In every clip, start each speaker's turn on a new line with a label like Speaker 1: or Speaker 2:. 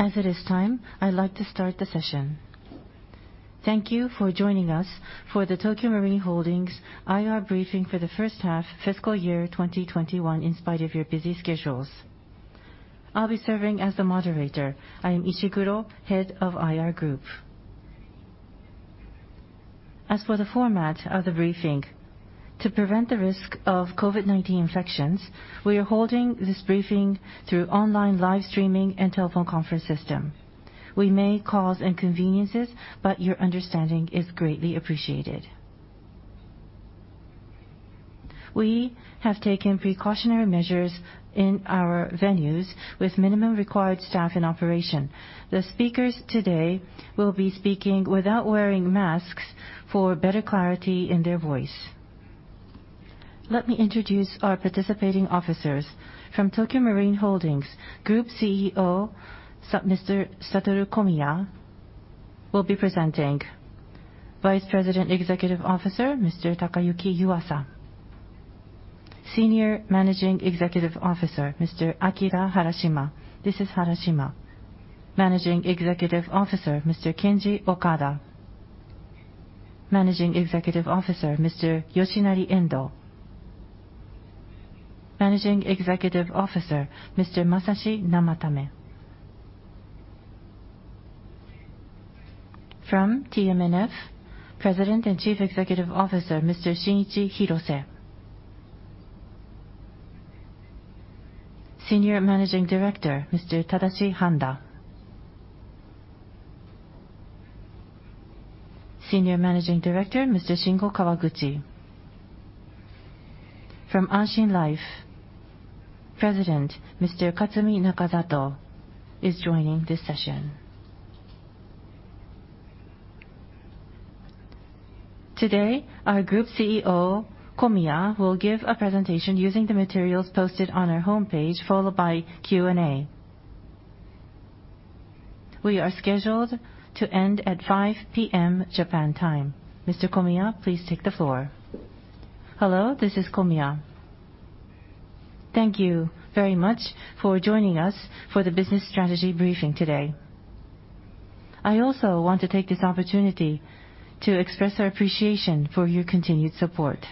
Speaker 1: As it is time, I'd like to start the session. Thank you for joining us for the Tokio Marine Holdings IR briefing for the first half fiscal year 2021, in spite of your busy schedules. I'll be serving as the moderator. I am Ishikuro, head of IR Group. As for the format of the briefing, to prevent the risk of COVID-19 infections, we are holding this briefing through online live streaming and telephone conference system. We may cause inconveniences, but your understanding is greatly appreciated. We have taken precautionary measures in our venues with minimum required staff in operation. The speakers today will be speaking without wearing masks for better clarity in their voice. Let me introduce our participating officers. From Tokio Marine Holdings, Group CEO, Mr. Satoru Komiya will be presenting. Vice President Executive Officer, Mr. Takayuki Yuasa. Senior Managing Executive Officer, Mr. Akira Harashima. This is Harashima. Managing Executive Officer, Mr. Kenji Okada. Managing Executive Officer, Mr. Yoshinari Endo. Managing Executive Officer, Mr. Masashi Namatame. From TMNF, President and Chief Executive Officer, Mr. Shinichi Hirose. Senior Managing Director, Mr. Tadashi Handa. Senior Managing Director, Mr. Shingo Kawaguchi. From Anshin Life, President, Mr. Katsumi Nakazato is joining this session. Today, our Group CEO, Komiya, will give a presentation using the materials posted on our homepage, followed by Q&A. We are scheduled to end at 5:00 P.M. Japan time. Mr. Komiya, please take the floor. Hello, this is Komiya. Thank you very much for joining us for the business strategy briefing today. I also want to take this opportunity to express our appreciation for your continued support.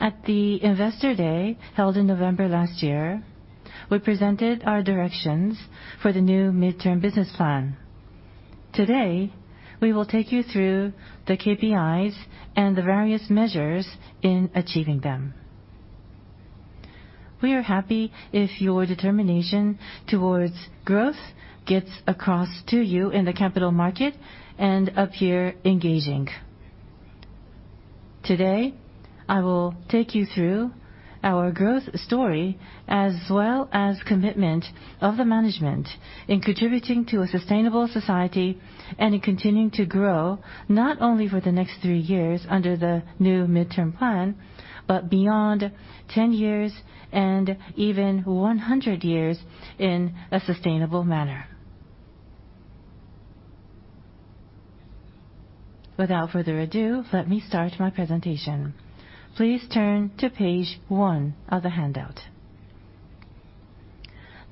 Speaker 1: At the Investor Day held in November last year, we presented our directions for the new midterm business plan. Today, we will take you through the KPIs and the various measures in achieving them. We are happy if your determination towards growth gets across to you in the capital market and appear engaging. Today, I will take you through our growth story as well as commitment of the management in contributing to a sustainable society and in continuing to grow, not only for the next three years under the new midterm plan, but beyond 10 years and even 100 years in a sustainable manner. Without further ado, let me start my presentation. Please turn to page one of the handout.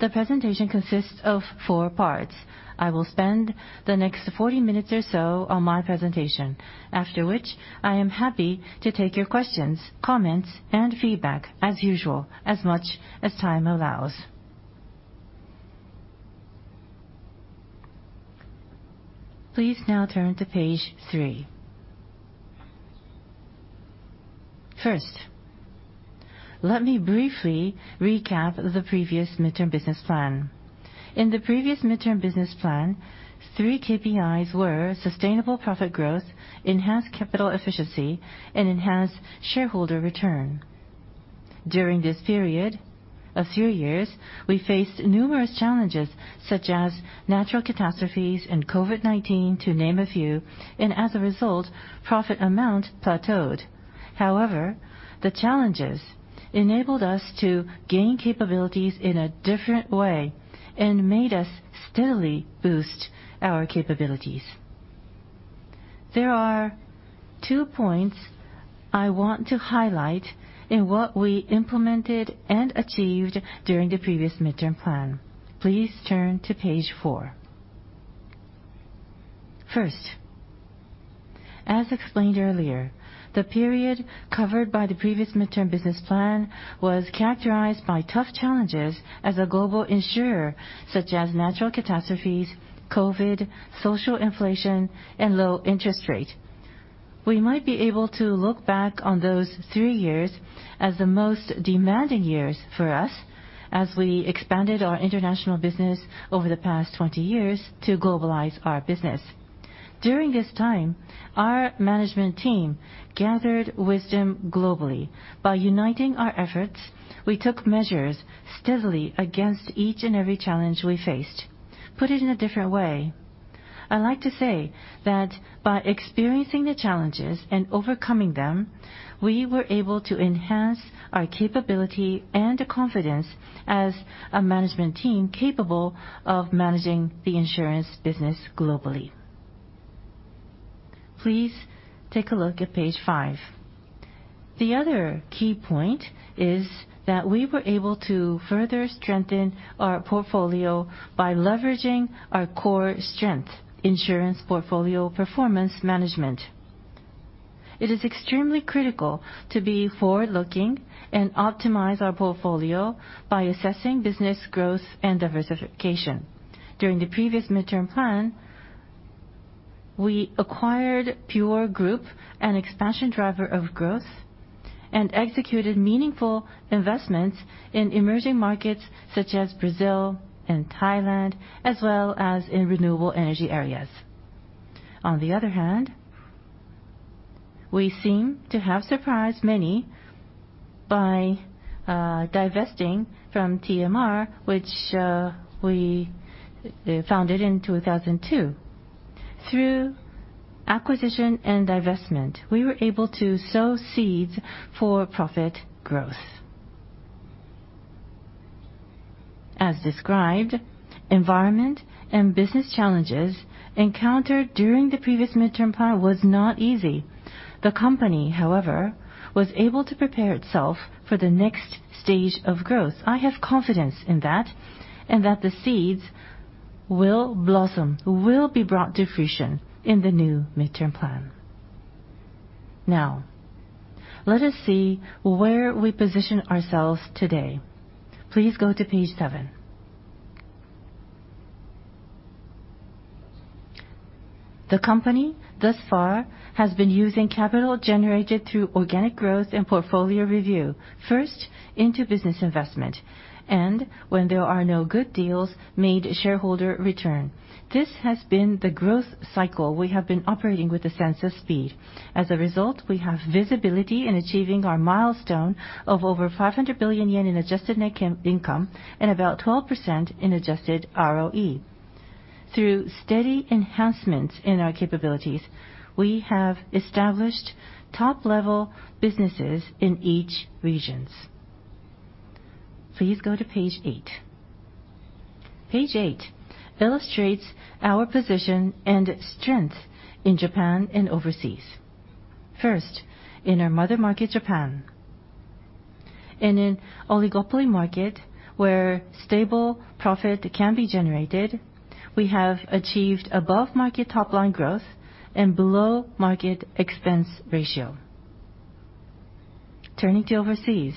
Speaker 1: The presentation consists of four parts. I will spend the next 40 minutes or so on my presentation, after which I am happy to take your questions, comments, and feedback as usual, as much as time allows. Please now turn to page three. First, let me briefly recap the previous midterm business plan. In the previous midterm business plan, three KPIs were sustainable profit growth, enhanced capital efficiency, and enhanced shareholder return. During this period of three years, we faced numerous challenges such as natural catastrophes and COVID-19, to name a few, and as a result, profit amount plateaued. However, the challenges enabled us to gain capabilities in a different way and made us steadily boost our capabilities. There are two points I want to highlight in what we implemented and achieved during the previous midterm plan. Please turn to page four. First, as explained earlier, the period covered by the previous midterm business plan was characterized by tough challenges as a global insurer, such as natural catastrophes, COVID, social inflation, and low interest rate. We might be able to look back on those three years as the most demanding years for us as we expanded our international business over the past 20 years to globalize our business. During this time, our management team gathered wisdom globally. By uniting our efforts, we took measures steadily against each and every challenge we faced. Put it in a different way, I'd like to say that by experiencing the challenges and overcoming them, we were able to enhance our capability and confidence as a management team capable of managing the insurance business globally. Please take a look at page five. The other key point is that we were able to further strengthen our portfolio by leveraging our core strength, insurance portfolio performance management. It is extremely critical to be forward-looking and optimize our portfolio by assessing business growth and diversification. During the previous midterm plan, we acquired Pure Group, an expansion driver of growth, and executed meaningful investments in emerging markets such as Brazil and Thailand, as well as in renewable energy areas. On the other hand, we seem to have surprised many by divesting from TMR, which we founded in 2002. Through acquisition and divestment, we were able to sow seeds for profit growth. As described, environment and business challenges encountered during the previous midterm plan was not easy. The company, however, was able to prepare itself for the next stage of growth. I have confidence in that, and that the seeds will blossom, will be brought to fruition in the new midterm plan. Now, let us see where we position ourselves today. Please go to page seven. The company thus far has been using capital generated through organic growth and portfolio review, first into business investment. When there are no good deals made, shareholder return. This has been the growth cycle we have been operating with a sense of speed. As a result, we have visibility in achieving our milestone of over 500 billion yen in Adjusted Net Income and about 12% in Adjusted ROE. Through steady enhancements in our capabilities, we have established top-level businesses in each regions. Please go to page eight. Page eight illustrates our position and strength in Japan and overseas. First, in our mother market, Japan. In oligopoly market, where stable profit can be generated, we have achieved above-market top-line growth and below-market expense ratio. Turning to overseas.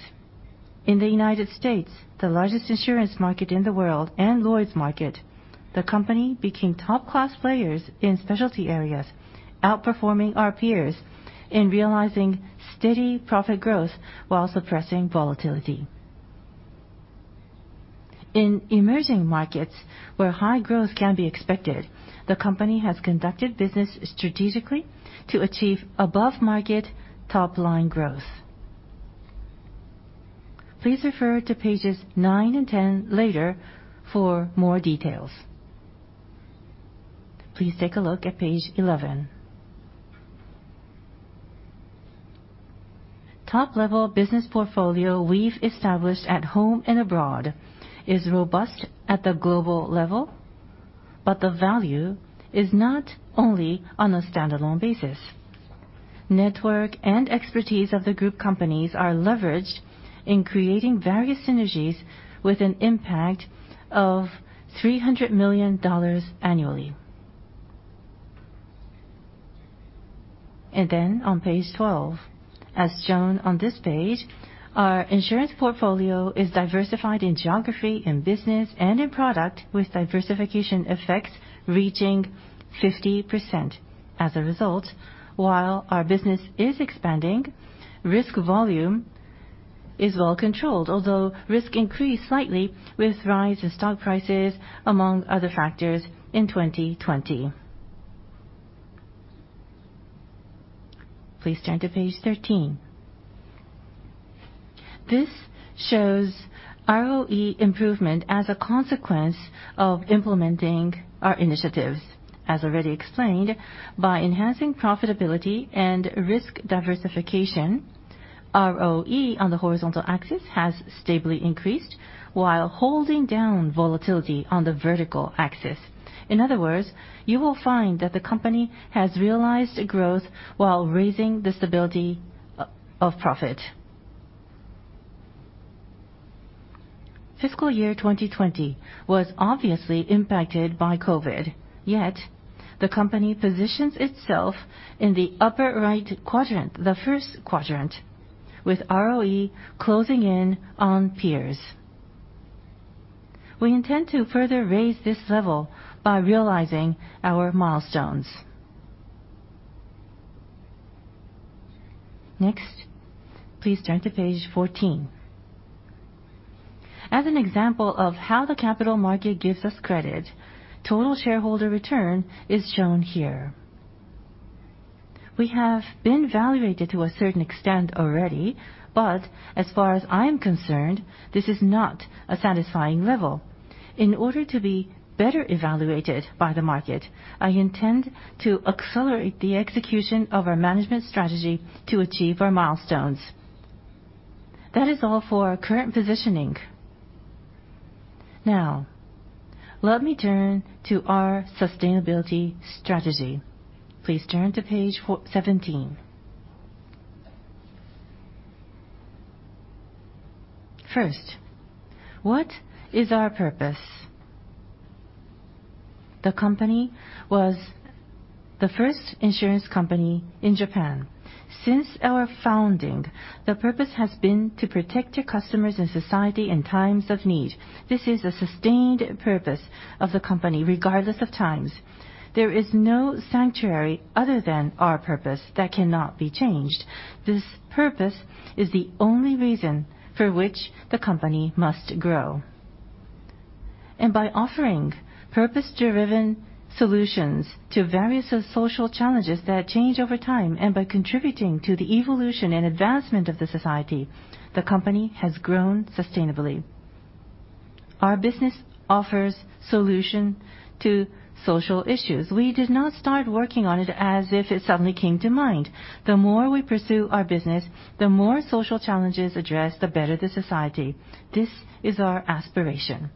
Speaker 1: In the U.S., the largest insurance market in the world, and Lloyd's market, the company became top-class players in specialty areas, outperforming our peers in realizing steady profit growth while suppressing volatility. In emerging markets where high growth can be expected, the company has conducted business strategically to achieve above-market top-line growth. Please refer to pages nine and 10 later for more details. Please take a look at page 11. Top-level business portfolio we've established at home and abroad is robust at the global level, but the value is not only on a standalone basis. Network and expertise of the group companies are leveraged in creating various synergies with an impact of JPY 300 million annually. On page 12, as shown on this page, our insurance portfolio is diversified in geography, in business, and in product, with diversification effects reaching 50%. As a result, while our business is expanding, risk volume is well-controlled, although risk increased slightly with rise in stock prices among other factors in 2020. Please turn to page 13. This shows ROE improvement as a consequence of implementing our initiatives. As already explained, by enhancing profitability and risk diversification, ROE on the horizontal axis has stably increased while holding down volatility on the vertical axis. In other words, you will find that the company has realized growth while raising the stability of profit. FY 2020 was obviously impacted by COVID. Yet, the company positions itself in the upper-right quadrant, the first quadrant, with ROE closing in on peers. We intend to further raise this level by realizing our milestones. Next, please turn to page 14. As an example of how the capital market gives us credit, total shareholder return is shown here. We have been valuated to a certain extent already, but as far as I am concerned, this is not a satisfying level. In order to be better evaluated by the market, I intend to accelerate the execution of our management strategy to achieve our milestones. That is all for our current positioning. Now, let me turn to our sustainability strategy. Please turn to page 17. First, what is our purpose? The company was the first insurance company in Japan. Since our founding, the purpose has been to protect your customers and society in times of need. This is a sustained purpose of the company, regardless of times. There is no sanctuary other than our purpose that cannot be changed. This purpose is the only reason for which the company must grow. By offering purpose-driven solutions to various social challenges that change over time, and by contributing to the evolution and advancement of the society, the company has grown sustainably. Our business offers solution to social issues. We did not start working on it as if it suddenly came to mind. The more we pursue our business, the more social challenges addressed, the better the society. This is our aspiration.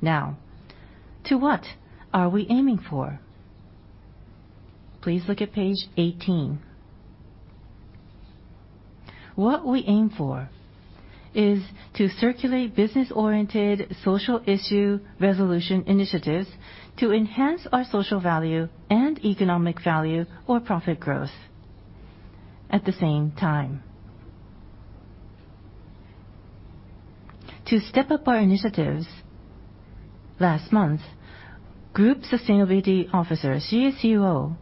Speaker 1: Now, to what are we aiming for? Please look at page 18. What we aim for is to circulate business-oriented social issue resolution initiatives to enhance our social value and economic value or profit growth at the same time. To step up our initiatives, last month, Group Sustainability Officer, GCSO,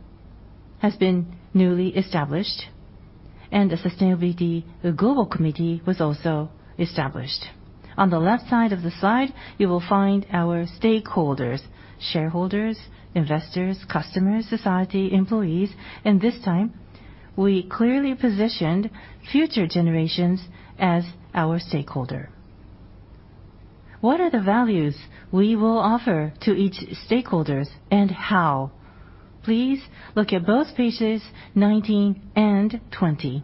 Speaker 1: has been newly established, and a sustainability global committee was also established. On the left side of the slide, you will find our stakeholders, shareholders, investors, customers, society, employees, and this time, we clearly positioned future generations as our stakeholder. What are the values we will offer to each stakeholders, and how? Please look at both pages 19 and 20.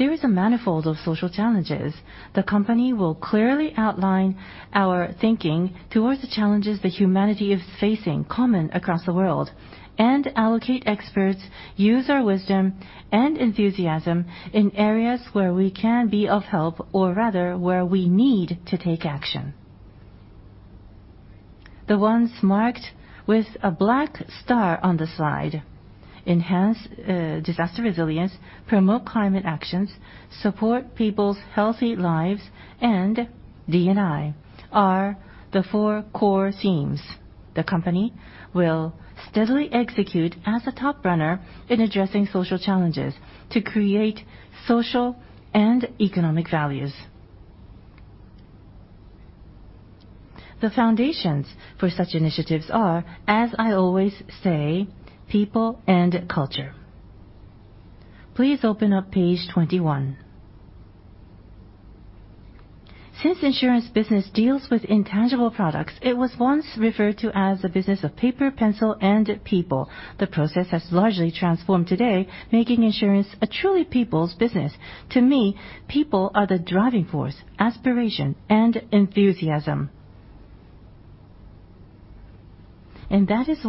Speaker 1: There is a manifold of social challenges. The company will clearly outline our thinking towards the challenges that humanity is facing, common across the world, and allocate experts, use our wisdom and enthusiasm in areas where we can be of help, or rather, where we need to take action. The ones marked with a black star on the slide enhance disaster resilience, promote climate actions, support people's healthy lives, and D&I are the four core themes the company will steadily execute as a top runner in addressing social challenges to create social and economic values. The foundations for such initiatives are, as I always say, people and culture. Please open up page 21. Since insurance business deals with intangible products, it was once referred to as the business of paper, pencil, and people. The process has largely transformed today, making insurance a truly people's business. To me, people are the driving force, aspiration, and enthusiasm. That is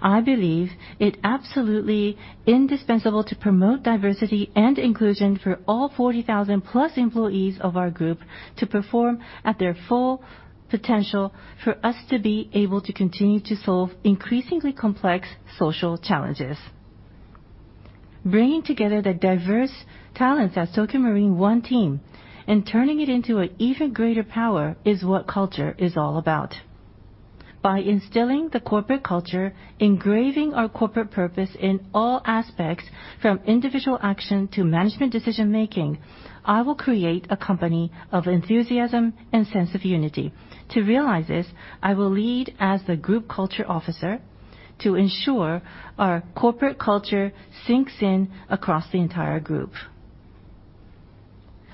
Speaker 1: why I believe it absolutely indispensable to promote diversity and inclusion for all 40,000-plus employees of our group to perform at their full potential for us to be able to continue to solve increasingly complex social challenges. Bringing together the diverse talents at Tokio Marine one team and turning it into an even greater power is what culture is all about. By instilling the corporate culture, engraving our corporate purpose in all aspects, from individual action to management decision-making, I will create a company of enthusiasm and sense of unity. To realize this, I will lead as the Group Culture Officer to ensure our corporate culture sinks in across the entire group.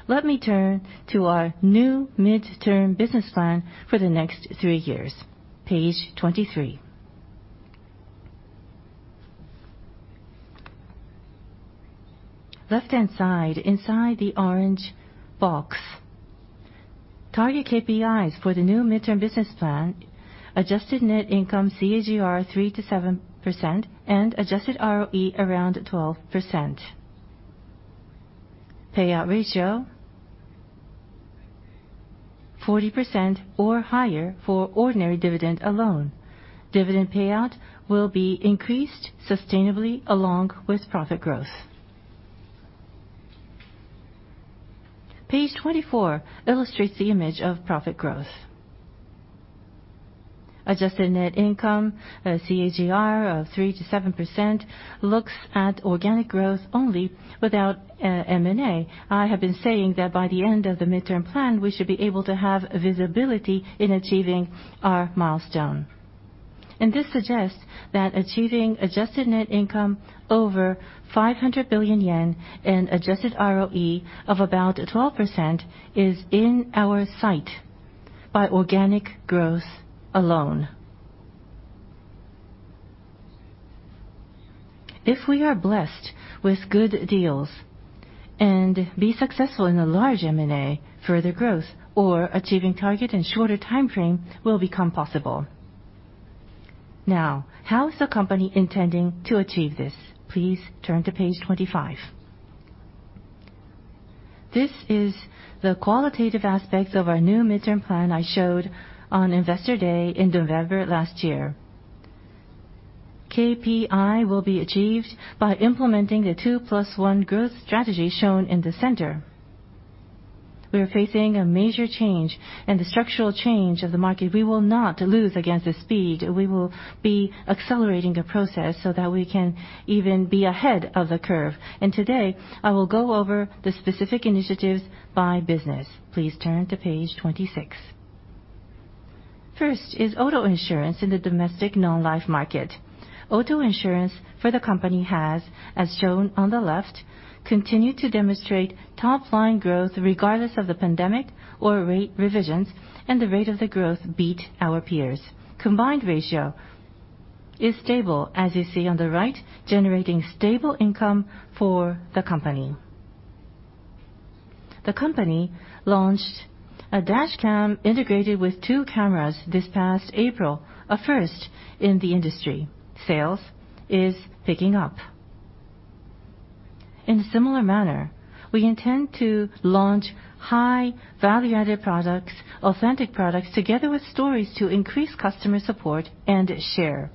Speaker 1: Let me turn to our new midterm business plan for the next three years. Page 23. Left-hand side inside the orange box. Target KPIs for the new midterm business plan, Adjusted Net Income CAGR 3%-7% and Adjusted ROE around 12%. Payout ratio, 40% or higher for ordinary dividend alone. Dividend payout will be increased sustainably along with profit growth. Page 24 illustrates the image of profit growth. Adjusted Net Income, a CAGR of 3%-7%, looks at organic growth only without M&A. I have been saying that by the end of the midterm plan, we should be able to have visibility in achieving our milestone. This suggests that achieving Adjusted Net Income over 500 billion yen and Adjusted ROE of about 12% is in our sight by organic growth alone. If we are blessed with good deals and be successful in a large M&A, further growth or achieving target in shorter timeframe will become possible. How is the company intending to achieve this? Please turn to page 25. This is the qualitative aspects of our new midterm plan I showed on Investor Day in November last year. KPI will be achieved by implementing the two plus one growth strategy shown in the center. We are facing a major change in the structural change of the market. We will not lose against the speed. We will be accelerating the process so that we can even be ahead of the curve. Today, I will go over the specific initiatives by business. Please turn to page 26. First is auto insurance in the domestic non-life market. Auto insurance for the company has, as shown on the left, continued to demonstrate top-line growth regardless of the pandemic or rate revisions, and the rate of the growth beat our peers. Combined ratio is stable, as you see on the right, generating stable income for the company. The company launched a dashcam integrated with two cameras this past April, a first in the industry. Sales is picking up. In a similar manner, we intend to launch high value-added products, authentic products, together with stories to increase customer support and share.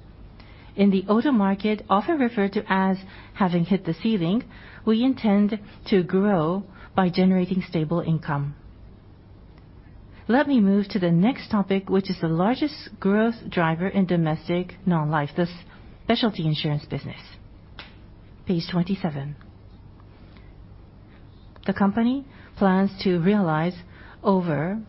Speaker 1: In the auto market, often referred to as having hit the ceiling, we intend to grow by generating stable income. Let me move to the next topic, which is the largest growth driver in domestic non-life, the specialty insurance business. Page 27. The company plans to realize over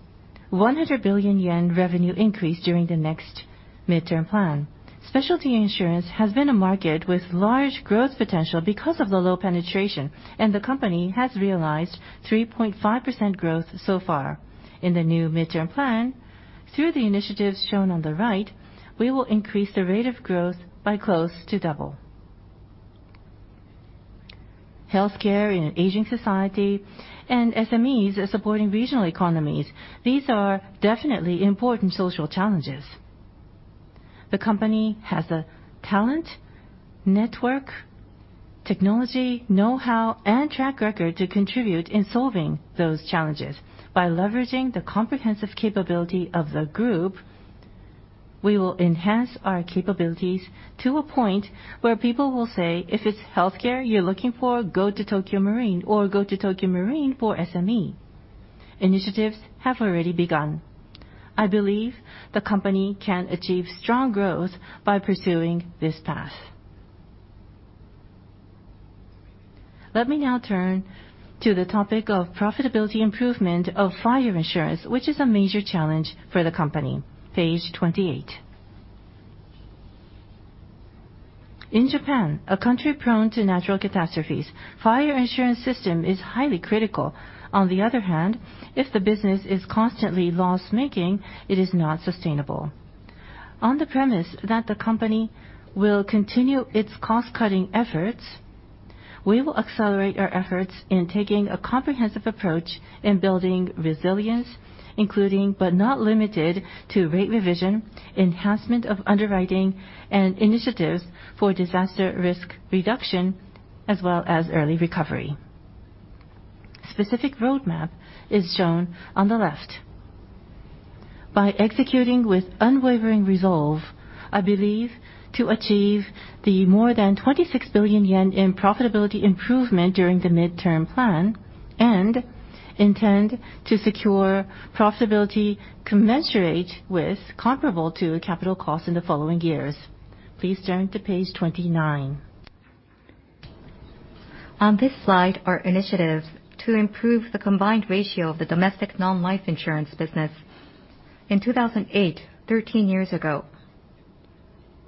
Speaker 1: 100 billion yen revenue increase during the next midterm plan. Specialty insurance has been a market with large growth potential because of the low penetration, and the company has realized 3.5% growth so far. In the new midterm plan, through the initiatives shown on the right, we will increase the rate of growth by close to double. Healthcare in an aging society and SMEs are supporting regional economies. These are definitely important social challenges. The company has a talent, network, technology, knowhow, and track record to contribute in solving those challenges. By leveraging the comprehensive capability of the group, we will enhance our capabilities to a point where people will say, "If it's healthcare you're looking for, go to Tokio Marine," or, "Go to Tokio Marine for SME." Initiatives have already begun. I believe the company can achieve strong growth by pursuing this path. Let me now turn to the topic of profitability improvement of fire insurance, which is a major challenge for the company. Page 28. In Japan, a country prone to natural catastrophes, fire insurance system is highly critical. On the other hand, if the business is constantly loss-making, it is not sustainable. On the premise that the company will continue its cost-cutting efforts, we will accelerate our efforts in taking a comprehensive approach in building resilience, including but not limited to rate revision, enhancement of underwriting, and initiatives for disaster risk reduction, as well as early recovery. Specific roadmap is shown on the left. By executing with unwavering resolve, I believe to achieve the more than 26 billion yen in profitability improvement during the midterm plan and intend to secure profitability commensurate with comparable to capital costs in the following years. Please turn to page 29. On this slide are initiatives to improve the Combined Ratio of the domestic non-life insurance business. In 2008, 13 years ago,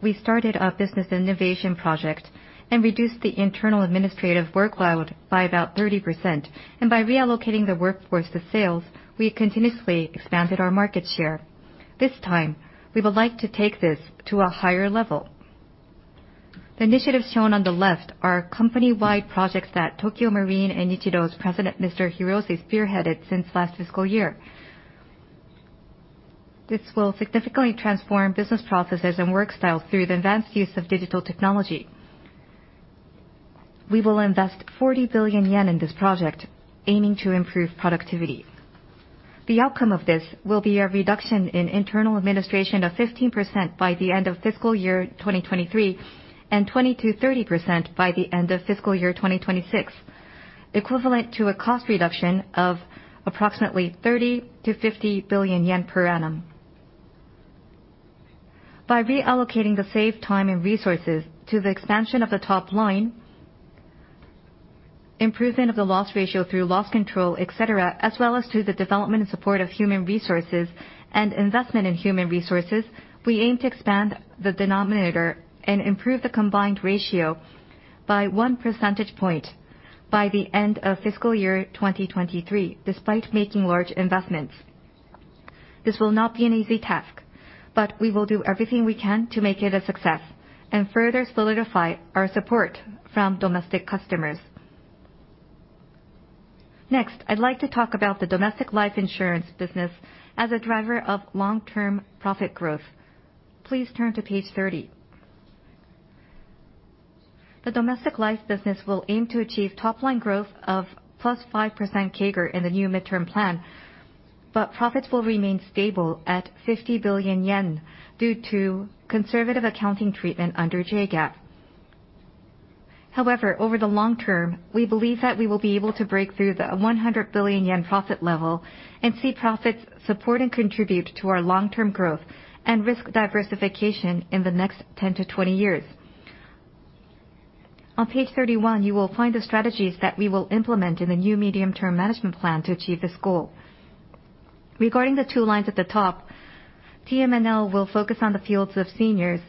Speaker 1: we started a business innovation project and reduced the internal administrative workload by about 30%. By reallocating the workforce to sales, we continuously expanded our market share. This time, we would like to take this to a higher level. The initiatives shown on the left are company-wide projects that Tokio Marine & Nichido's president, Mr. Hirose, spearheaded since last fiscal year. This will significantly transform business processes and work style through the advanced use of digital technology. We will invest 40 billion yen in this project, aiming to improve productivity. The outcome of this will be a reduction in internal administration of 15% by the end of fiscal year 2023, and 20%-30% by the end of fiscal year 2026, equivalent to a cost reduction of approximately 30 billion-50 billion yen per annum. By reallocating the saved time and resources to the expansion of the top line, improvement of the loss ratio through loss control, et cetera, as well as to the development and support of human resources and investment in human resources, we aim to expand the denominator and improve the Combined Ratio by one percentage point by the end of fiscal year 2023, despite making large investments.
Speaker 2: This will not be an easy task, but we will do everything we can to make it a success and further solidify our support from domestic customers. I'd like to talk about the domestic life insurance business as a driver of long-term profit growth. Please turn to page 30. The domestic life business will aim to achieve top-line growth of +5% CAGR in the new midterm plan, but profits will remain stable at 50 billion yen due to conservative accounting treatment under JGAAP. Over the long term, we believe that we will be able to break through the 100 billion yen profit level and see profits support and contribute to our long-term growth and risk diversification in the next 10-20 years. On page 31, you will find the strategies that we will implement in the new medium-term management plan to achieve this goal. Regarding the two lines at the top, TMNL will focus on the fields of seniors,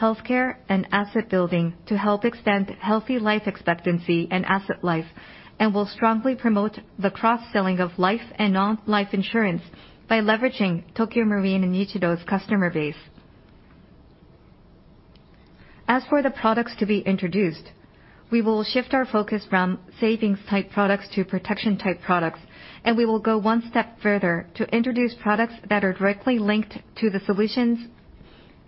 Speaker 2: healthcare, and asset building to help extend healthy life expectancy and asset life, and will strongly promote the cross-selling of life and non-life insurance by leveraging Tokio Marine and Nichido's customer base. As for the products to be introduced, we will shift our focus from savings-type products to protection-type products, and we will go one step further to introduce products that are directly linked to the solutions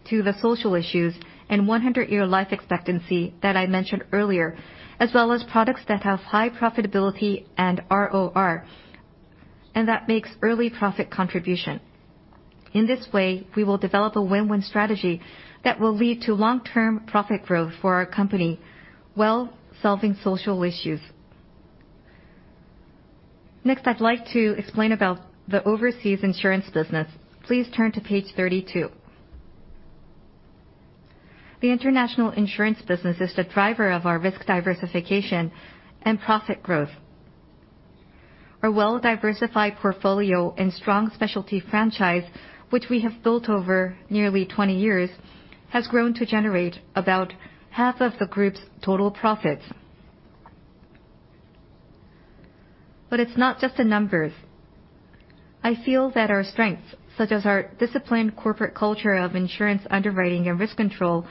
Speaker 2: to the social issues and 100-year life expectancy that I mentioned earlier, as well as products that have high profitability and ROR, and that makes early profit contribution. In this way, we will develop a win-win strategy that will lead to long-term profit growth for our company while solving social issues. I'd like to explain about the overseas insurance business. Please turn to page 32. The international insurance business is the driver of our risk diversification and profit growth. Our well-diversified portfolio and strong specialty franchise, which we have built over nearly 20 years, has grown to generate about half of the group's total profits. It's not just the numbers. I feel that our strengths, such as our disciplined corporate culture of insurance underwriting and risk control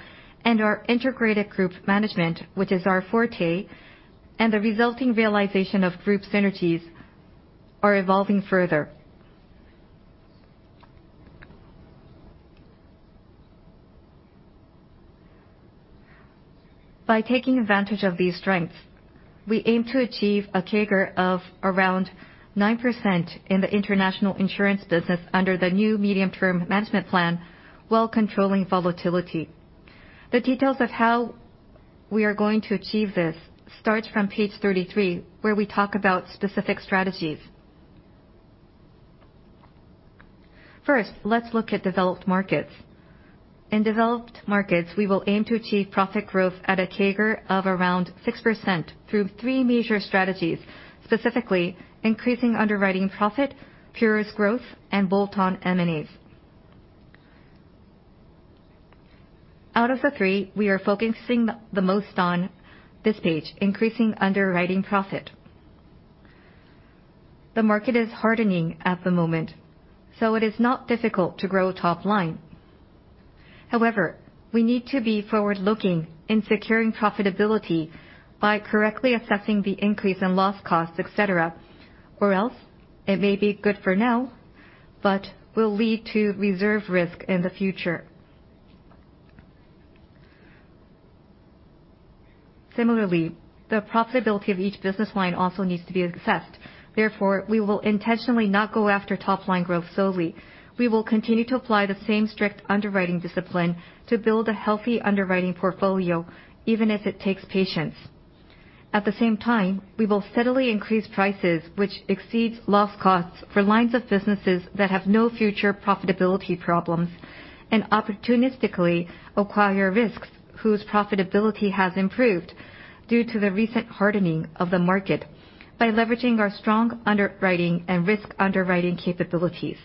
Speaker 2: and our integrated group management, which is our forte, and the resulting realization of group synergies, are evolving further. By taking advantage of these strengths, we aim to achieve a CAGR of around 9% in the international insurance business under the new medium-term management plan while controlling volatility. The details of how we are going to achieve this starts from page 33, where we talk about specific strategies. First, let's look at developed markets. In developed markets, we will aim to achieve profit growth at a CAGR of around 6% through three major strategies, specifically, increasing underwriting profit, Pure's growth, and bolt-on M&As. Out of the three, we are focusing the most on this page, increasing underwriting profit. The market is hardening at the moment, it is not difficult to grow top line. We need to be forward-looking in securing profitability by correctly assessing the increase in loss costs, et cetera, or else it may be good for now, but will lead to reserve risk in the future. Similarly, the profitability of each business line also needs to be assessed. We will intentionally not go after top-line growth solely. We will continue to apply the same strict underwriting discipline to build a healthy underwriting portfolio, even if it takes patience. At the same time, we will steadily increase prices, which exceeds loss costs for lines of businesses that have no future profitability problems, and opportunistically acquire risks whose profitability has improved due to the recent hardening of the market by leveraging our strong underwriting and risk underwriting capabilities.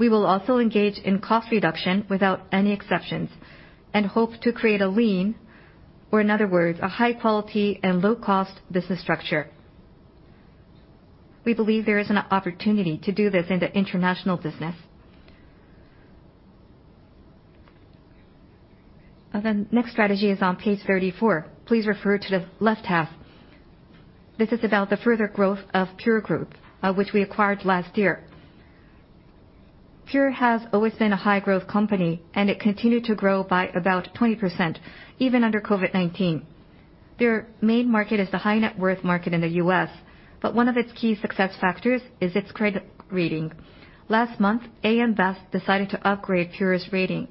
Speaker 2: We will also engage in cost reduction without any exceptions and hope to create a lean, or in other words, a high-quality and low-cost business structure. We believe there is an opportunity to do this in the international business. The next strategy is on page 34. Please refer to the left half. This is about the further growth of Pure Group, which we acquired last year. Pure has always been a high-growth company, and it continued to grow by about 20%, even under COVID-19. Their main market is the high-net-worth market in the U.S., but one of its key success factors is its credit rating. Last month, AM Best decided to upgrade Pure's rating.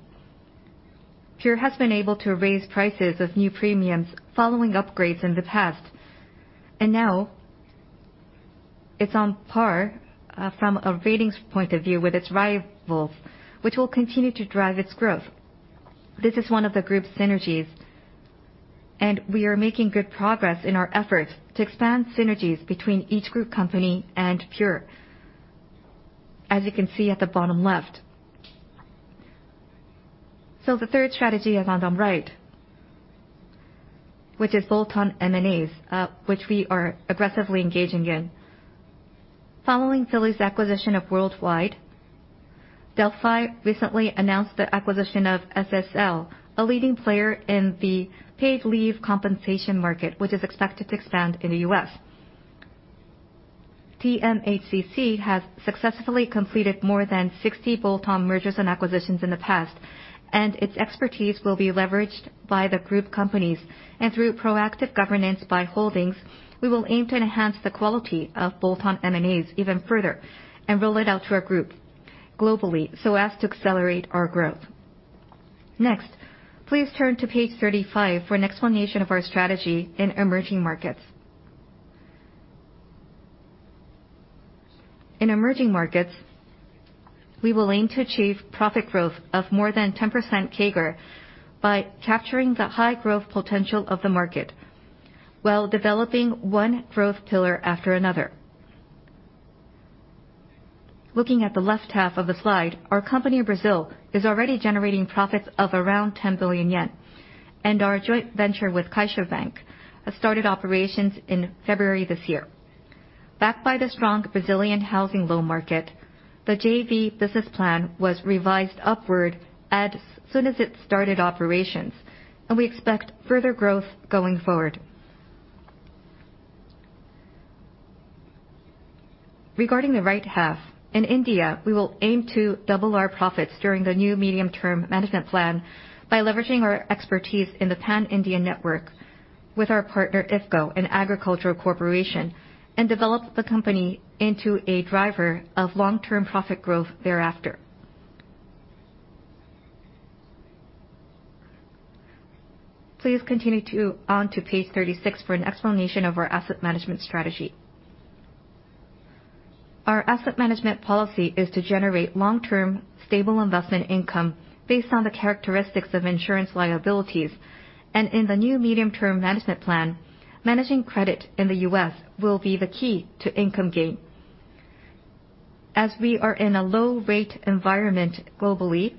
Speaker 2: Pure has been able to raise prices of new premiums following upgrades in the past, and now it's on par from a ratings point of view with its rivals, which will continue to drive its growth. This is one of the group synergies, and we are making good progress in our efforts to expand synergies between each group company and Pure. As you can see at the bottom left, the third strategy is on the right, which is bolt-on M&As, which we are aggressively engaging in. Following Philly's acquisition of World Wide, Delphi recently announced the acquisition of SSL, a leading player in the paid leave compensation market, which is expected to expand in the U.S. TMHCC has successfully completed more than 60 bolt-on mergers and acquisitions in the past, and its expertise will be leveraged by the group companies. Through proactive governance by holdings, we will aim to enhance the quality of bolt-on M&As even further and roll it out to our group globally so as to accelerate our growth. Next, please turn to page 35 for an explanation of our strategy in emerging markets. In emerging markets, we will aim to achieve profit growth of more than 10% CAGR by capturing the high growth potential of the market, while developing one growth pillar after another. Looking at the left half of the slide, our company in Brazil is already generating profits of around 10 billion yen. Our joint venture with Caixa Bank has started operations in February this year. Backed by the strong Brazilian housing loan market, the JV business plan was revised upward as soon as it started operations, and we expect further growth going forward. Regarding the right half, in India, we will aim to double our profits during the new medium-term management plan by leveraging our expertise in the Pan-Indian network with our partner IFFCO, an agricultural corporation, and develop the company into a driver of long-term profit growth thereafter. Please continue on to page 36 for an explanation of our asset management strategy. Our asset management policy is to generate long-term, stable investment income based on the characteristics of insurance liabilities. In the new medium-term management plan, managing credit in the U.S. will be the key to income gain. As we are in a low rate environment globally,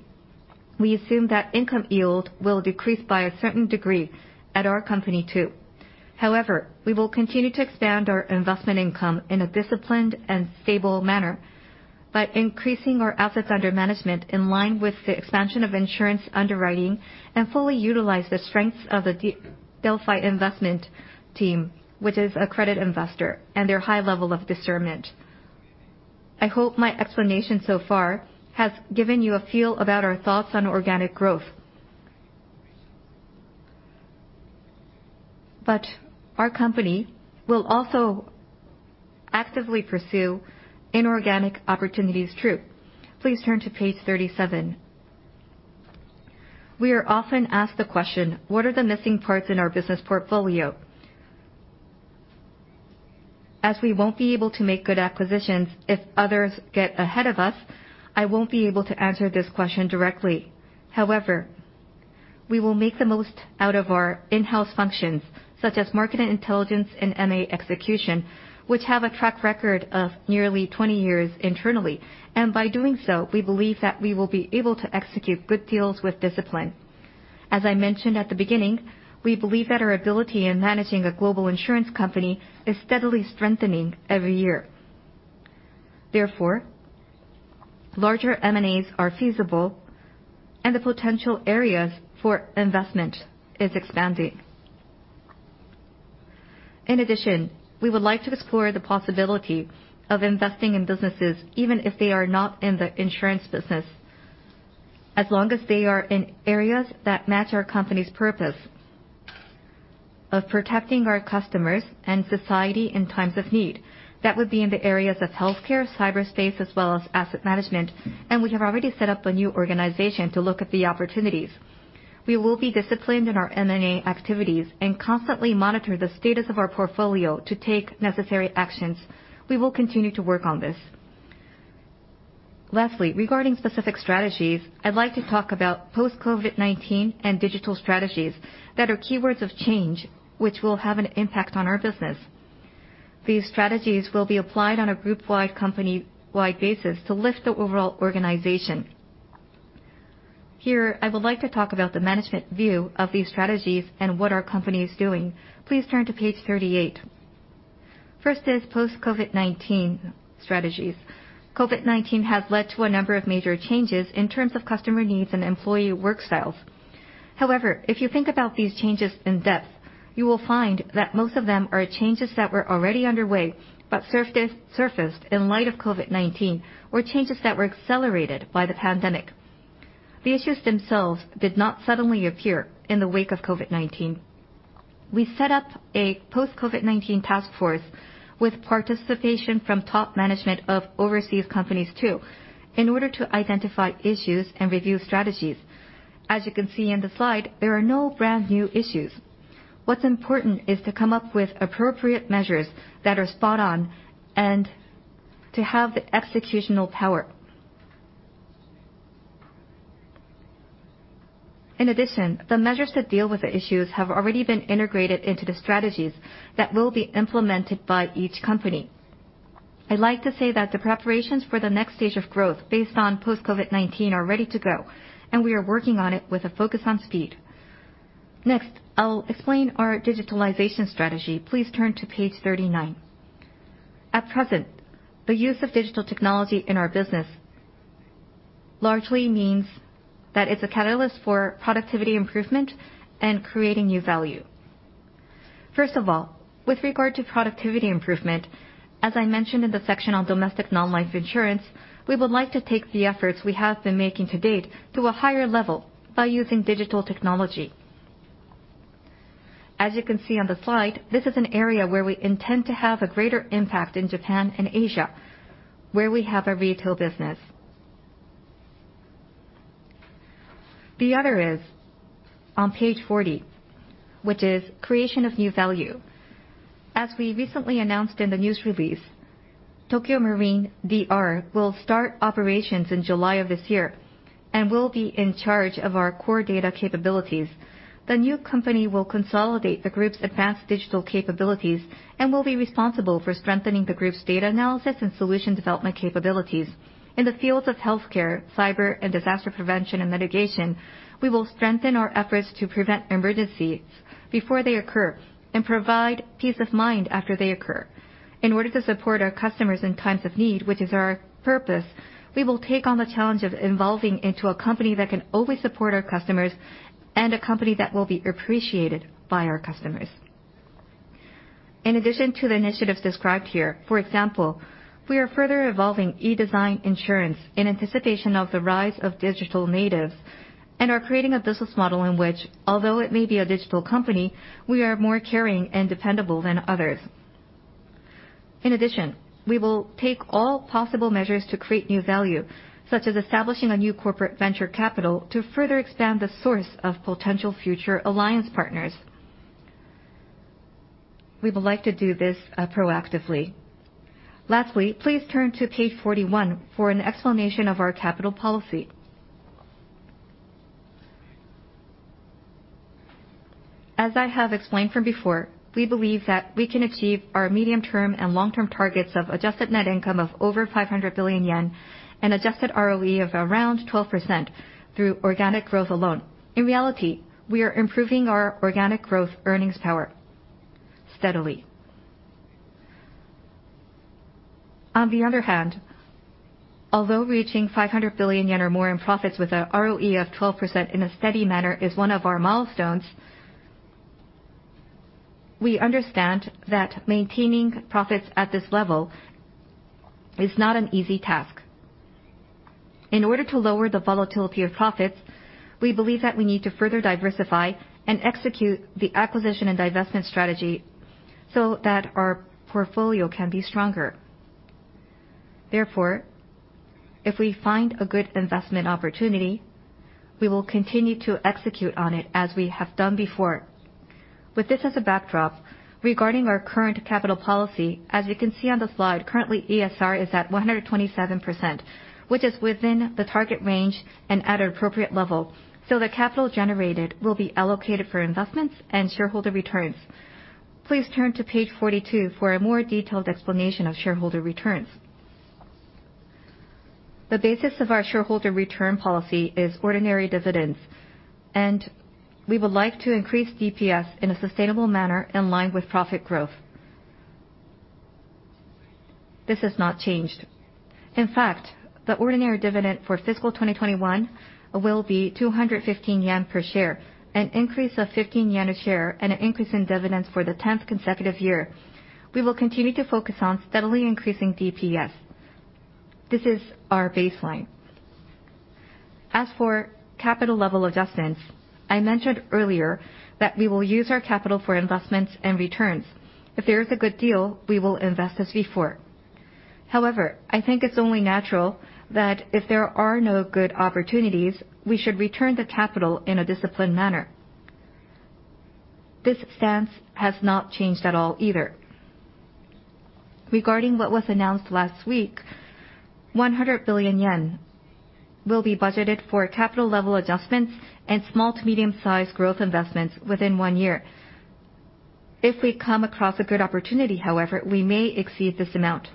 Speaker 2: we assume that income yield will decrease by a certain degree at our company too. However, we will continue to expand our investment income in a disciplined and stable manner by increasing our assets under management in line with the expansion of insurance underwriting, and fully utilize the strengths of the Delphi investment team, which is a credit investor, and their high level of discernment. I hope my explanation so far has given you a feel about our thoughts on organic growth. Our company will also actively pursue inorganic opportunities too. Please turn to page 37. We are often asked the question: what are the missing parts in our business portfolio? As we won't be able to make good acquisitions if others get ahead of us, I won't be able to answer this question directly. However, we will make the most out of our in-house functions, such as market intelligence and M&A execution, which have a track record of nearly 20 years internally. By doing so, we believe that we will be able to execute good deals with discipline. As I mentioned at the beginning, we believe that our ability in managing a global insurance company is steadily strengthening every year. Therefore, larger M&As are feasible and the potential areas for investment is expanding. In addition, we would like to explore the possibility of investing in businesses, even if they are not in the insurance business, as long as they are in areas that match our company's purpose of protecting our customers and society in times of need. That would be in the areas of healthcare, cyberspace, as well as asset management, and we have already set up a new organization to look at the opportunities. We will be disciplined in our M&A activities and constantly monitor the status of our portfolio to take necessary actions. We will continue to work on this. Lastly, regarding specific strategies, I'd like to talk about post-COVID-19 and digital strategies that are keywords of change, which will have an impact on our business. These strategies will be applied on a group-wide, company-wide basis to lift the overall organization. Here, I would like to talk about the management view of these strategies and what our company is doing. Please turn to page 38. First is post-COVID-19 strategies. COVID-19 has led to a number of major changes in terms of customer needs and employee work styles. However, if you think about these changes in depth, you will find that most of them are changes that were already underway, but surfaced in light of COVID-19 or changes that were accelerated by the pandemic. The issues themselves did not suddenly appear in the wake of COVID-19. We set up a post-COVID-19 task force with participation from top management of overseas companies too, in order to identify issues and review strategies. As you can see in the slide, there are no brand-new issues. What's important is to come up with appropriate measures that are spot on and to have the executional power. In addition, the measures to deal with the issues have already been integrated into the strategies that will be implemented by each company. I'd like to say that the preparations for the next stage of growth based on post-COVID-19 are ready to go, and we are working on it with a focus on speed. Next, I'll explain our digitalization strategy. Please turn to page 39. At present, the use of digital technology in our business largely means that it's a catalyst for productivity improvement and creating new value. First of all, with regard to productivity improvement, as I mentioned in the section on domestic non-life insurance, we would like to take the efforts we have been making to date to a higher level by using digital technology. As you can see on the slide, this is an area where we intend to have a greater impact in Japan and Asia, where we have a retail business. The other is on page 40, which is creation of new value. As we recently announced in the news release, Tokio Marine dR will start operations in July of this year and will be in charge of our core data capabilities. The new company will consolidate the group's advanced digital capabilities and will be responsible for strengthening the group's data analysis and solution development capabilities. In the fields of healthcare, cyber, and disaster prevention and mitigation, we will strengthen our efforts to prevent emergencies before they occur and provide peace of mind after they occur. In order to support our customers in times of need, which is our purpose, we will take on the challenge of evolving into a company that can always support our customers and a company that will be appreciated by our customers. In addition to the initiatives described here, for example, we are further evolving E.design Insurance in anticipation of the rise of digital natives and are creating a business model in which, although it may be a digital company, we are more caring and dependable than others. In addition, we will take all possible measures to create new value, such as establishing a new corporate venture capital to further expand the source of potential future alliance partners. We would like to do this proactively. Lastly, please turn to page 41 for an explanation of our capital policy. As I have explained from before, we believe that we can achieve our medium-term and long-term targets of Adjusted Net Income of over 500 billion yen and Adjusted ROE of around 12% through organic growth alone. In reality, we are improving our organic growth earnings power steadily. On the other hand, although reaching 500 billion yen or more in profits with an ROE of 12% in a steady manner is one of our milestones, we understand that maintaining profits at this level is not an easy task. In order to lower the volatility of profits, we believe that we need to further diversify and execute the acquisition and divestment strategy so that our portfolio can be stronger. If we find a good investment opportunity, we will continue to execute on it as we have done before. With this as a backdrop, regarding our current capital policy, as you can see on the slide, currently ESR is at 127%, which is within the target range and at an appropriate level, so the capital generated will be allocated for investments and shareholder returns. Please turn to page 42 for a more detailed explanation of shareholder returns. The basis of our shareholder return policy is ordinary dividends, and we would like to increase DPS in a sustainable manner in line with profit growth. This has not changed. In fact, the ordinary dividend for fiscal 2021 will be 215 yen per share, an increase of 15 yen a share and an increase in dividends for the tenth consecutive year. We will continue to focus on steadily increasing DPS. This is our baseline. As for capital level adjustments, I mentioned earlier that we will use our capital for investments and returns. If there is a good deal, we will invest as before. However, I think it's only natural that if there are no good opportunities, we should return the capital in a disciplined manner. This stance has not changed at all either. Regarding what was announced last week, 100 billion yen will be budgeted for capital level adjustments and small to medium-sized growth investments within one year. If we come across a good opportunity, however, we may exceed this amount.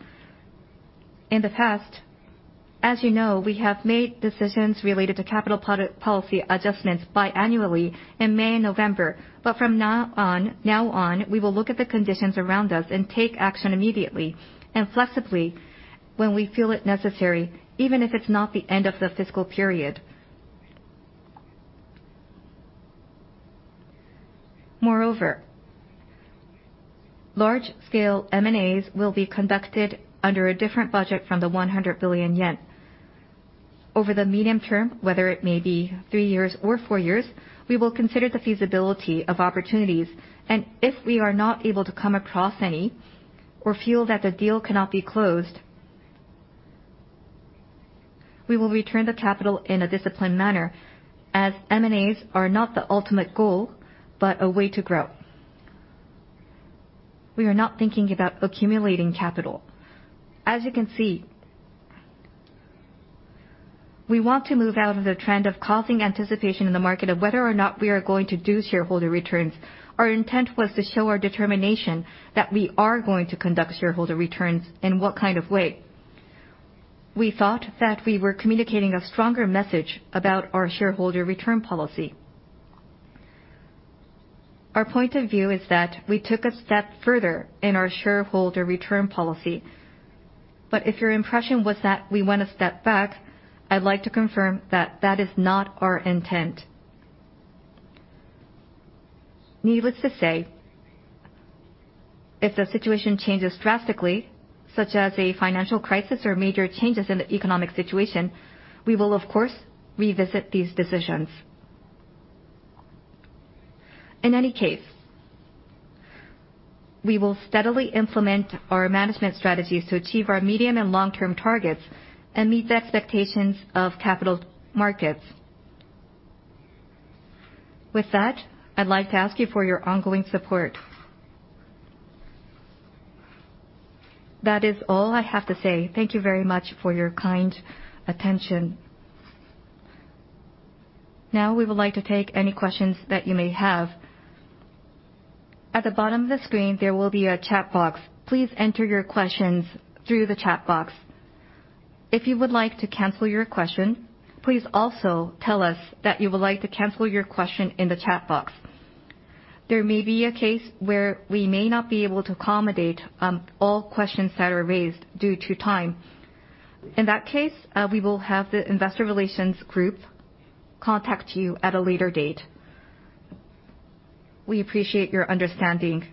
Speaker 2: In the past, as you know, we have made decisions related to capital policy adjustments biannually in May and November. From now on, we will look at the conditions around us and take action immediately and flexibly when we feel it necessary, even if it's not the end of the fiscal period. Moreover, large-scale M&As will be conducted under a different budget from the 100 billion yen. Over the medium term, whether it may be three years or four years, we will consider the feasibility of opportunities, and if we are not able to come across any or feel that the deal cannot be closed, we will return the capital in a disciplined manner as M&As are not the ultimate goal, but a way to grow. We are not thinking about accumulating capital. As you can see, we want to move out of the trend of causing anticipation in the market of whether or not we are going to do shareholder returns. Our intent was to show our determination that we are going to conduct shareholder returns, in what kind of way. We thought that we were communicating a stronger message about our shareholder return policy. Our point of view is that we took a step further in our shareholder return policy. If your impression was that we went a step back, I'd like to confirm that that is not our intent. Needless to say, if the situation changes drastically, such as a financial crisis or major changes in the economic situation, we will of course revisit these decisions. In any case, we will steadily implement our management strategies to achieve our medium and long-term targets and meet the expectations of capital markets. With that, I'd like to ask you for your ongoing support. That is all I have to say. Thank you very much for your kind attention. Now we would like to take any questions that you may have. At the bottom of the screen, there will be a chat box. Please enter your questions through the chat box. If you would like to cancel your question, please also tell us that you would like to cancel your question in the chat box. There may be a case where we may not be able to accommodate all questions that are raised due to time. In that case, we will have the investor relations group contact you at a later date. We appreciate your understanding.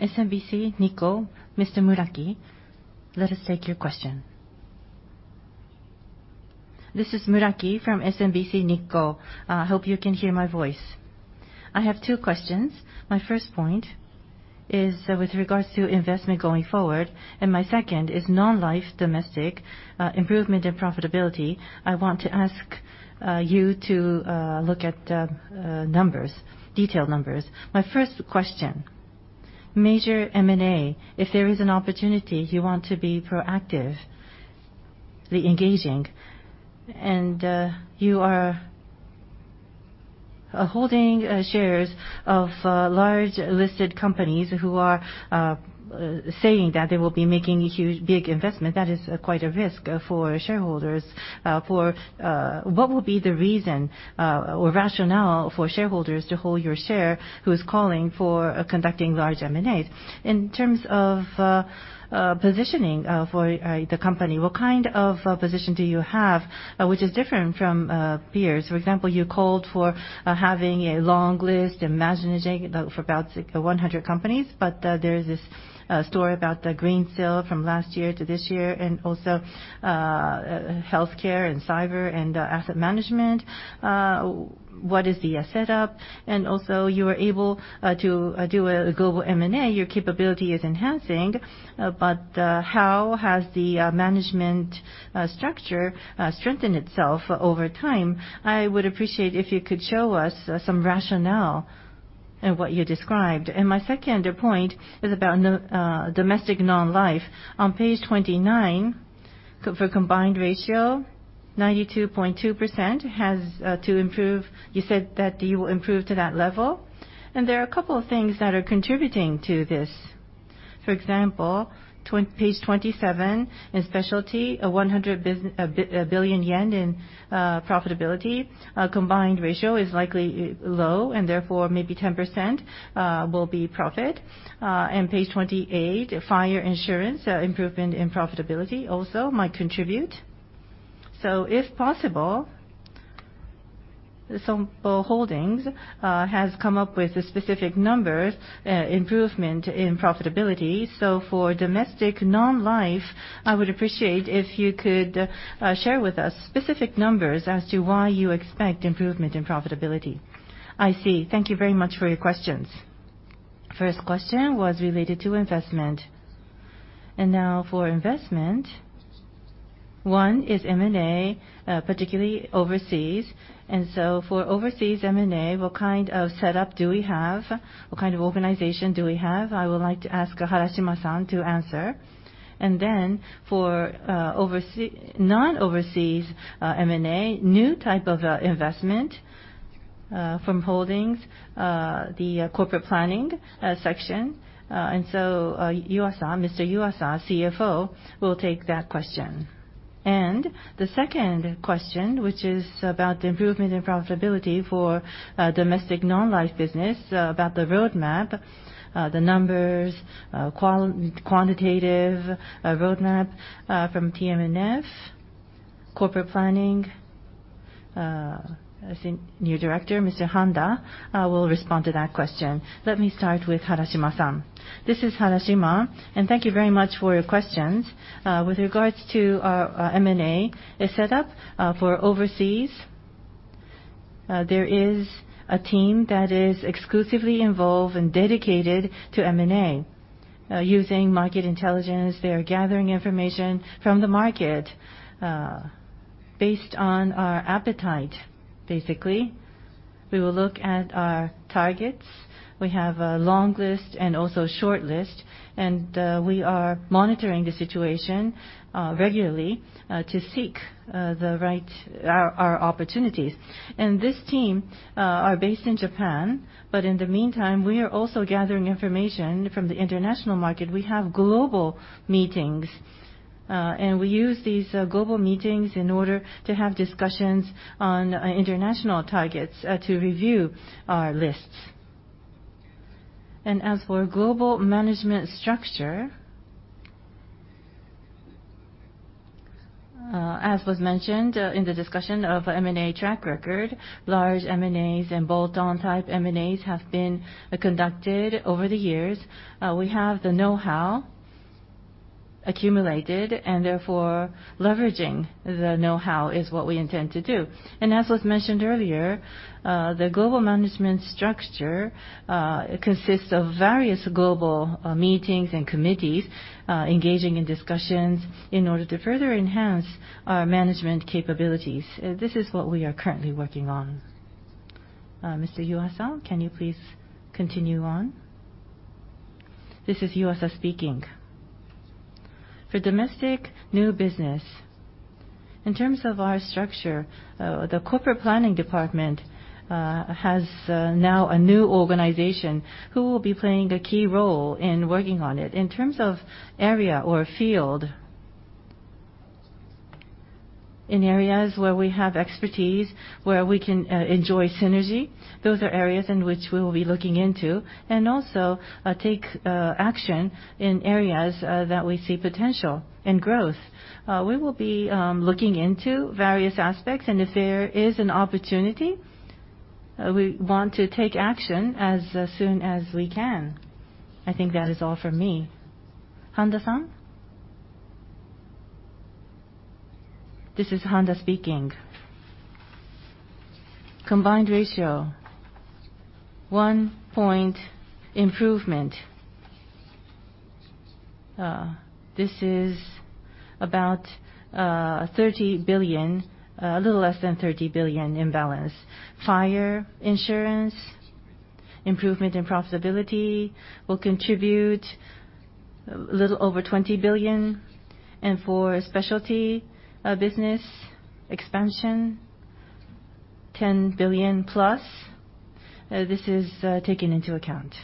Speaker 2: SMBC Nikko, Mr. Muraki, let us take your question.
Speaker 3: This is Muraki from SMBC Nikko. I hope you can hear my voice. I have two questions. My first point is with regards to investment going forward, my second is non-life domestic improvement in profitability. I want to ask you to look at detailed numbers. My first question, major M&A. If there is an opportunity, you want to be proactive, engaging. You are holding shares of large listed companies who are saying that they will be making a huge, big investment. That is quite a risk for shareholders. What would be the reason or rationale for shareholders to hold your share, who is calling for conducting large M&As? In terms of positioning for the company, what kind of position do you have which is different from peers? For example, you called for having a long list for about 100 companies. There is this story about the Greensill from last year to this year, also healthcare and cyber and asset management. What is the setup? You are able to do a global M&A. Your capability is enhancing. How has the management structure strengthened itself over time? I would appreciate if you could show us some rationale in what you described. My second point is about domestic non-life. On page 29, for combined ratio, 92.2% has to improve. You said that you will improve to that level. There are a couple of things that are contributing to this. For example, page 27, in specialty, 100 billion yen in profitability. A combined ratio is likely low, therefore maybe 10% will be profit. Page 28, fire insurance, improvement in profitability also might contribute. If possible, Sompo Holdings has come up with specific numbers, improvement in profitability. For domestic non-life, I would appreciate if you could share with us specific numbers as to why you expect improvement in profitability.
Speaker 2: I see. Thank you very much for your questions. First question was related to investment. Now for investment, one is M&A, particularly overseas. For overseas M&A, what kind of setup do we have? What kind of organization do we have? I would like to ask Harashima-san to answer. For non-overseas M&A, new type of investment from holdings, the corporate planning section. Mr. Yuasa, CFO, will take that question. The second question, which is about the improvement in profitability for domestic non-life business, about the roadmap, the numbers, quantitative roadmap from TMNF, corporate planning, as in new Director, Mr. Handa will respond to that question. Let me start with Harashima-san.
Speaker 4: This is Harashima. Thank you very much for your questions. With regards to our M&A, a setup for overseas, there is a team that is exclusively involved and dedicated to M&A. Using market intelligence, they are gathering information from the market. Based on our appetite, basically, we will look at our targets. We have a long list and also a short list, and we are monitoring the situation regularly to seek our opportunities. This team are based in Japan, but in the meantime, we are also gathering information from the international market. We have global meetings. We use these global meetings in order to have discussions on international targets to review our lists. As for global management structure, as was mentioned in the discussion of M&A track record, large M&As and bolt-on type M&As have been conducted over the years.
Speaker 1: We have the know-how accumulated. Therefore, leveraging the know-how is what we intend to do. As was mentioned earlier, the global management structure consists of various global meetings and committees engaging in discussions in order to further enhance our management capabilities. This is what we are currently working on. Mr. Yuasa, can you please continue on? This is Yuasa speaking. For domestic new business, in terms of our structure, the corporate planning department has now a new organization who will be playing a key role in working on it. In terms of area or field, in areas where we have expertise, where we can enjoy synergy, those are areas in which we will be looking into, and also take action in areas that we see potential and growth. We will be looking into various aspects. If there is an opportunity, we want to take action as soon as we can. I think that is all for me. Handa-san? This is Handa speaking. Combined ratio, one point improvement. This is about 30 billion, a little less than 30 billion imbalance. Fire insurance improvement in profitability will contribute a little over 20 billion. For specialty business expansion, 10 billion-plus. This is taken into account.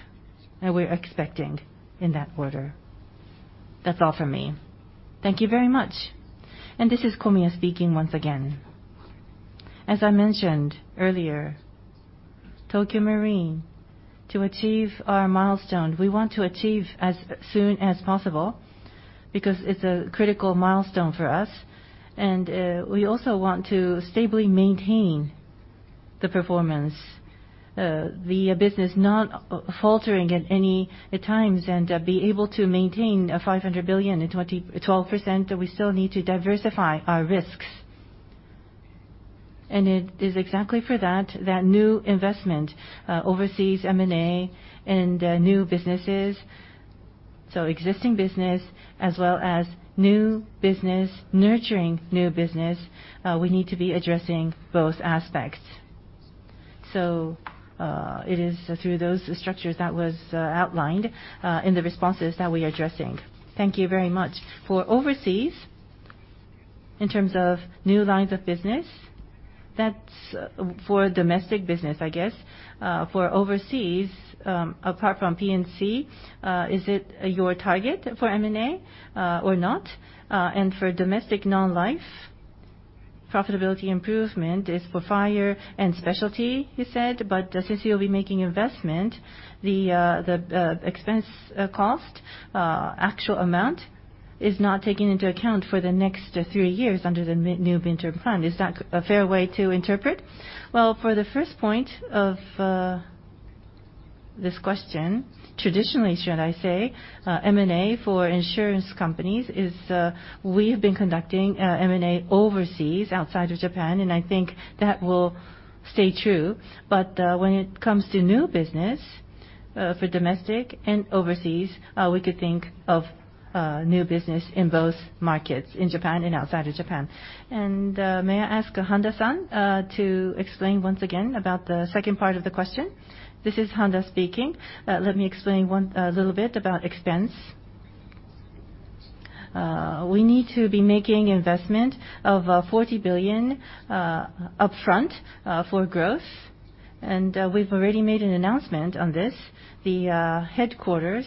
Speaker 1: We're expecting in that quarter. That's all for me. Thank you very much. This is Komiya speaking once again.
Speaker 2: As I mentioned earlier, Tokio Marine, to achieve our milestone, we want to achieve as soon as possible because it's a critical milestone for us. We also want to stably maintain the performance, the business not faltering at any times and be able to maintain 500 billion in 12%. We still need to diversify our risks. It is exactly for that new investment, overseas M&A and new businesses. Existing business as well as new business, nurturing new business, we need to be addressing both aspects. It is through those structures that was outlined in the responses that we are addressing. Thank you very much. For overseas, in terms of new lines of business, that's for domestic business, I guess. For overseas, apart from P&C, is it your target for M&A or not?
Speaker 3: For domestic non-life profitability improvement is for fire and specialty, you said, since you'll be making investment, the expense cost actual amount is not taken into account for the next three years under the new interim plan. Is that a fair way to interpret? For the first point of this question, traditionally, should I say, M&A for insurance companies is we have been conducting M&A overseas, outside of Japan, and I think that will stay true. When it comes to new business for domestic and overseas, we could think of new business in both markets, in Japan and outside of Japan. May I ask Handa-san to explain once again about the second part of the question? This is Handa speaking. Let me explain a little bit about expense.
Speaker 1: We need to be making investment of 40 billion upfront for growth, we've already made an announcement on this. The headquarters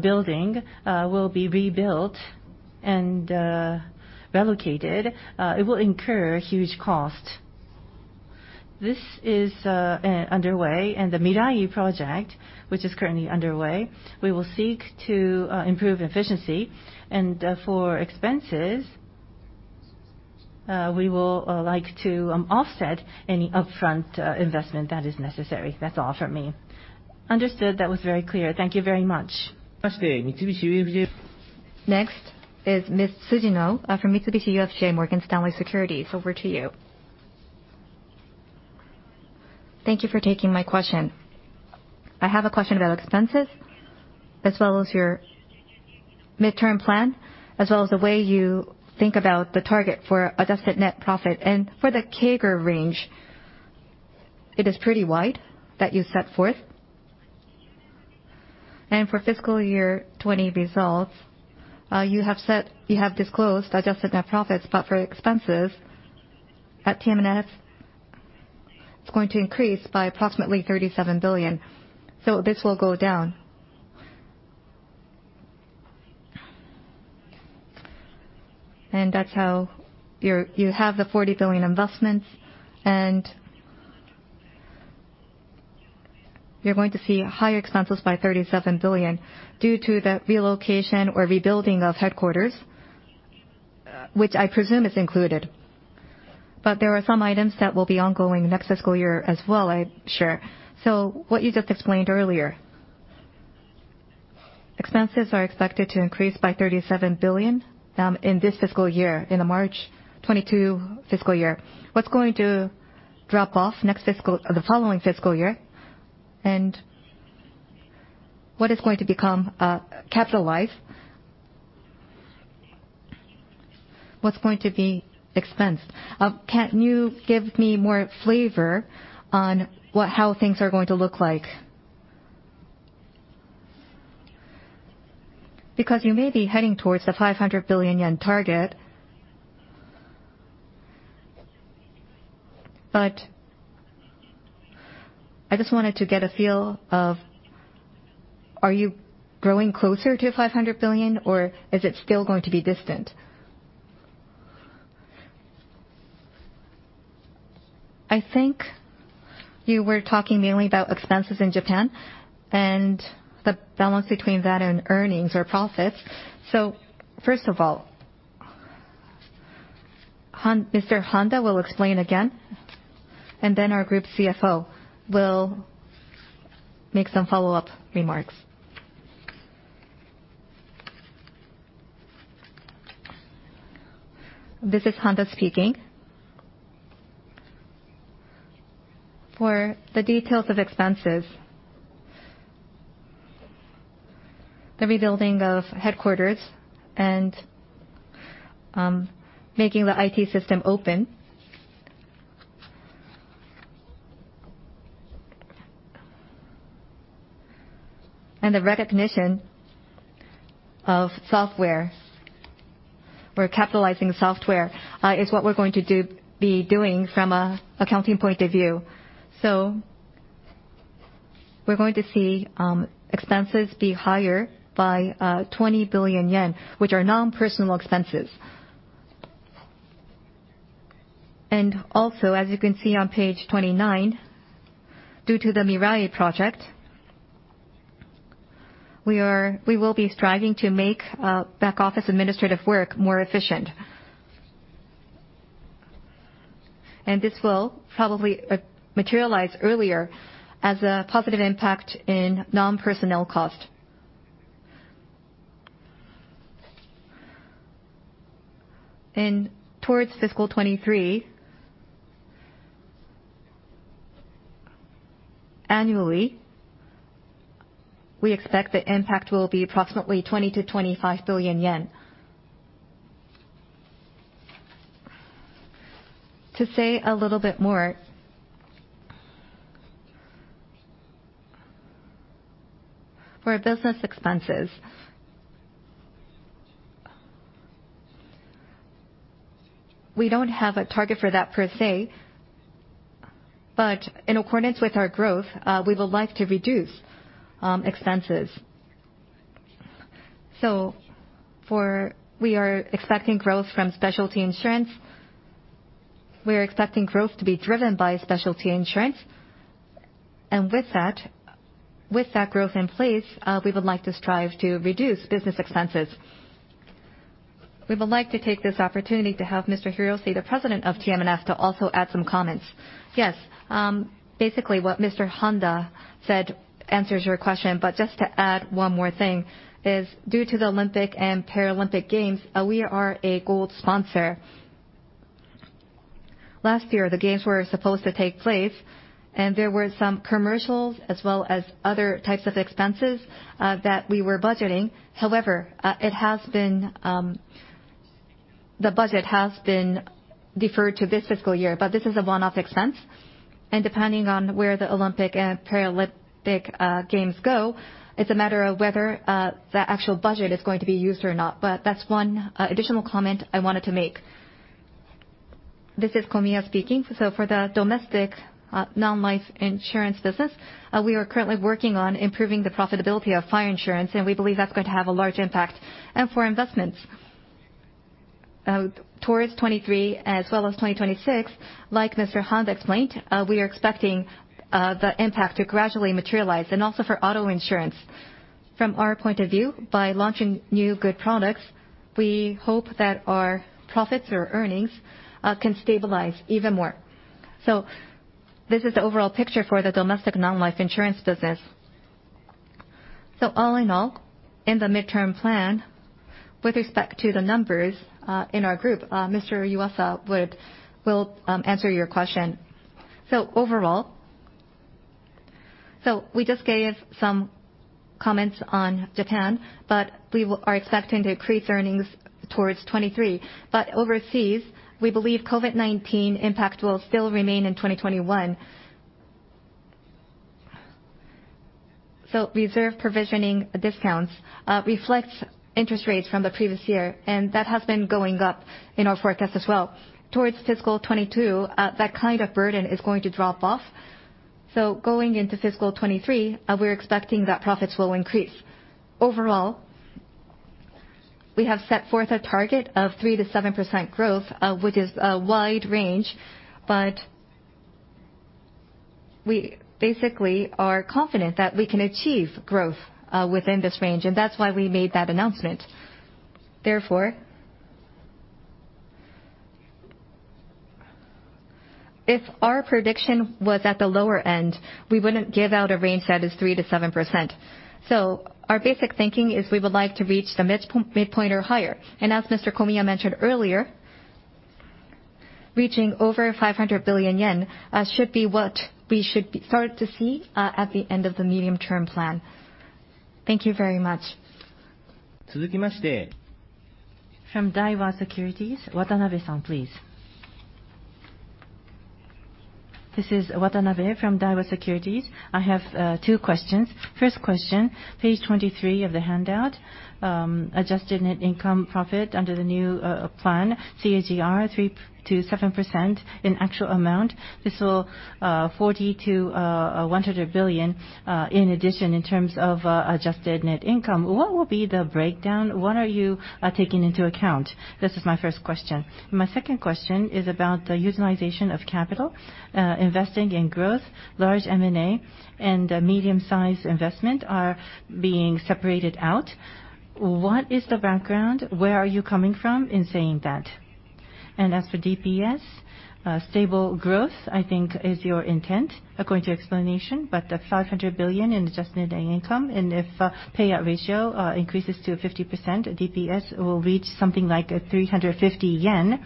Speaker 1: building will be rebuilt and relocated. It will incur huge cost. This is underway, the Mirai Project, which is currently underway, we will seek to improve efficiency. For expenses, we will like to offset any upfront investment that is necessary. That's all from me. Understood. That was very clear. Thank you very much. Next is Ms. Tsujino from Mitsubishi UFJ Morgan Stanley Securities. Over to you. Thank you for taking my question. I have a question about expenses as well as your midterm plan, as well as the way you think about the target for Adjusted Net Profit. For the CAGR range, it is pretty wide that you set forth. For FY 2020 results, you have disclosed Adjusted Net Profits, but for expenses at TMNF, it's going to increase by approximately 37 billion. This will go down. That's how you have the 40 billion investments, and you're going to see higher expenses by JPY 37 billion due to the relocation or rebuilding of headquarters, which I presume is included. There are some items that will be ongoing next fiscal year as well, I'm sure.
Speaker 5: What you just explained earlier, expenses are expected to increase by JPY 37 billion in this fiscal year, in the March 2022 fiscal year. What's going to drop off the following fiscal year, and what is going to become capitalized? What's going to be expensed? Can you give me more flavor on how things are going to look like? Because you may be heading towards the 500 billion yen target, I just wanted to get a feel of are you growing closer to 500 billion or is it still going to be distant? I think you were talking mainly about expenses in Japan and the balance between that and earnings or profits. First of all, Mr. Handa will explain again, and then our Group CFO will make some follow-up remarks. This is Handa speaking.
Speaker 6: For the details of expenses, the rebuilding of headquarters and making the IT system open, and the recognition of software. We're capitalizing software is what we're going to be doing from an accounting point of view. We're going to see expenses be higher by 20 billion yen, which are non-personnel expenses. As you can see on page 29, due to the Mirai Project, we will be striving to make back office administrative work more efficient. This will probably materialize earlier as a positive impact in non-personnel cost. Towards fiscal 2023, annually, we expect the impact will be approximately 20 billion-25 billion yen. To say a little bit more, for business expenses, we don't have a target for that per se, but in accordance with our growth, we would like to reduce expenses. We are expecting growth from specialty insurance.
Speaker 7: We are expecting growth to be driven by specialty insurance. With that growth in place, we would like to strive to reduce business expenses. We would like to take this opportunity to have Mr. Hirose, the president of TMNS, to also add some comments. Yes. Basically what Mr. Handa said answers your question. Just to add one more thing is due to the Olympic and Paralympic Games, we are a gold sponsor. Last year, the games were supposed to take place and there were some commercials as well as other types of expenses that we were budgeting. However, the budget has been deferred to this fiscal year, this is a one-off expense, and depending on where the Olympic and Paralympic Games go, it's a matter of whether the actual budget is going to be used or not. That's one additional comment I wanted to make.
Speaker 2: This is Komiya speaking. For the domestic non-life insurance business, we are currently working on improving the profitability of fire insurance, we believe that's going to have a large impact. For investments towards 2023 as well as 2026, like Mr. Handa explained, we are expecting the impact to gradually materialize. For auto insurance, from our point of view, by launching new good products, we hope that our profits or earnings can stabilize even more. This is the overall picture for the domestic non-life insurance business. All in all, in the midterm plan, with respect to the numbers in our group, Mr. Yuasa will answer your question. Overall, we just gave some comments on Japan, we are expecting to increase earnings towards 2023. Overseas, we believe COVID-19 impact will still remain in 2021. Reserve provisioning discounts reflect interest rates from the previous year, that has been going up in our forecast as well. Towards fiscal 2022, that kind of burden is going to drop off. Going into fiscal 2023, we're expecting that profits will increase. Overall, we have set forth a target of 3%-7% growth, which is a wide range, we basically are confident that we can achieve growth within this range, that's why we made that announcement. Therefore, if our prediction was at the lower end, we wouldn't give out a range that is 3%-7%. Our basic thinking is we would like to reach the midpoint or higher. As Mr. Komiya mentioned earlier, reaching over 500 billion yen should be what we should start to see at the end of the medium-term plan. Thank you very much.
Speaker 8: From Daiwa Securities, Kazuki-san, please. This is Kazuki from Daiwa Securities. I have two questions. First question, page 23 of the handout. Adjusted Net Income profit under the new plan, CAGR 3%-7% in actual amount. This is 40 billion-100 billion in addition in terms of Adjusted Net Income. What will be the breakdown? What are you taking into account? This is my first question. My second question is about the utilization of capital. Investing in growth, large M&A, and medium-sized investment are being separated out. What is the background? Where are you coming from in saying that? As for DPS, stable growth, I think is your intent according to explanation, but the JPY 500 billion in Adjusted Net Income and if payout ratio increases to 50%, DPS will reach something like 350 yen.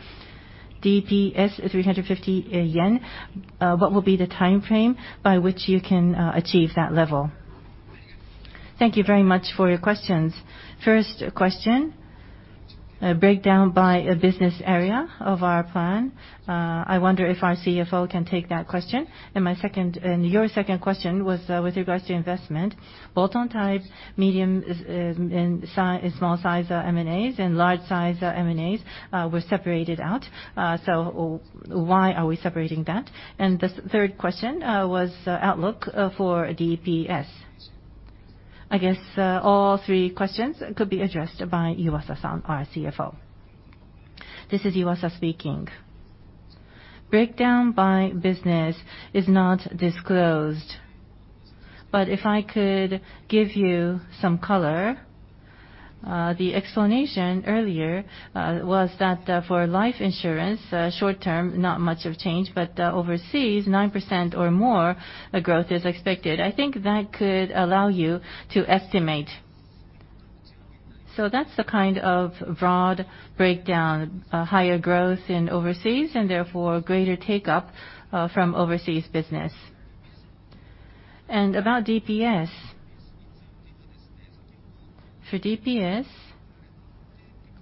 Speaker 8: DPS 350 yen. What will be the timeframe by which you can achieve that level?
Speaker 2: Thank you very much for your questions. First question, breakdown by a business area of our plan. I wonder if our CFO can take that question. Your second question was with regards to investment. bolt-on types, medium and small size M&A and large size M&A were separated out. Why are we separating that? The third question was outlook for DPS. I guess all three questions could be addressed by Yuasa-san, our CFO.
Speaker 9: This is Yuasa speaking. Breakdown by business is not disclosed. If I could give you some color, the explanation earlier was that for life insurance, short-term, not much of change, but overseas, 9% or more growth is expected. I think that could allow you to estimate. That's the kind of broad breakdown, higher growth in overseas, therefore greater take-up from overseas business. About DPS. For DPS,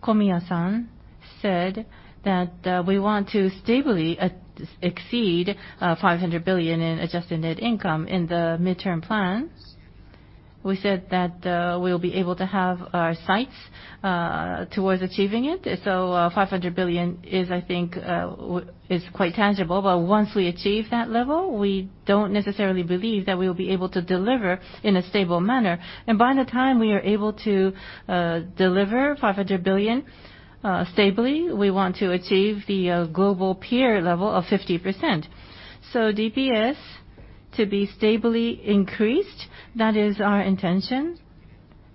Speaker 9: Komiya-san said that we want to stably exceed 500 billion in Adjusted Net Income in the midterm plan. We said that we'll be able to have our sights towards achieving it. 500 billion I think is quite tangible. Once we achieve that level, we don't necessarily believe that we will be able to deliver in a stable manner.
Speaker 1: By the time we are able to deliver 500 billion stably, we want to achieve the global peer level of 50%. DPS to be stably increased, that is our intention.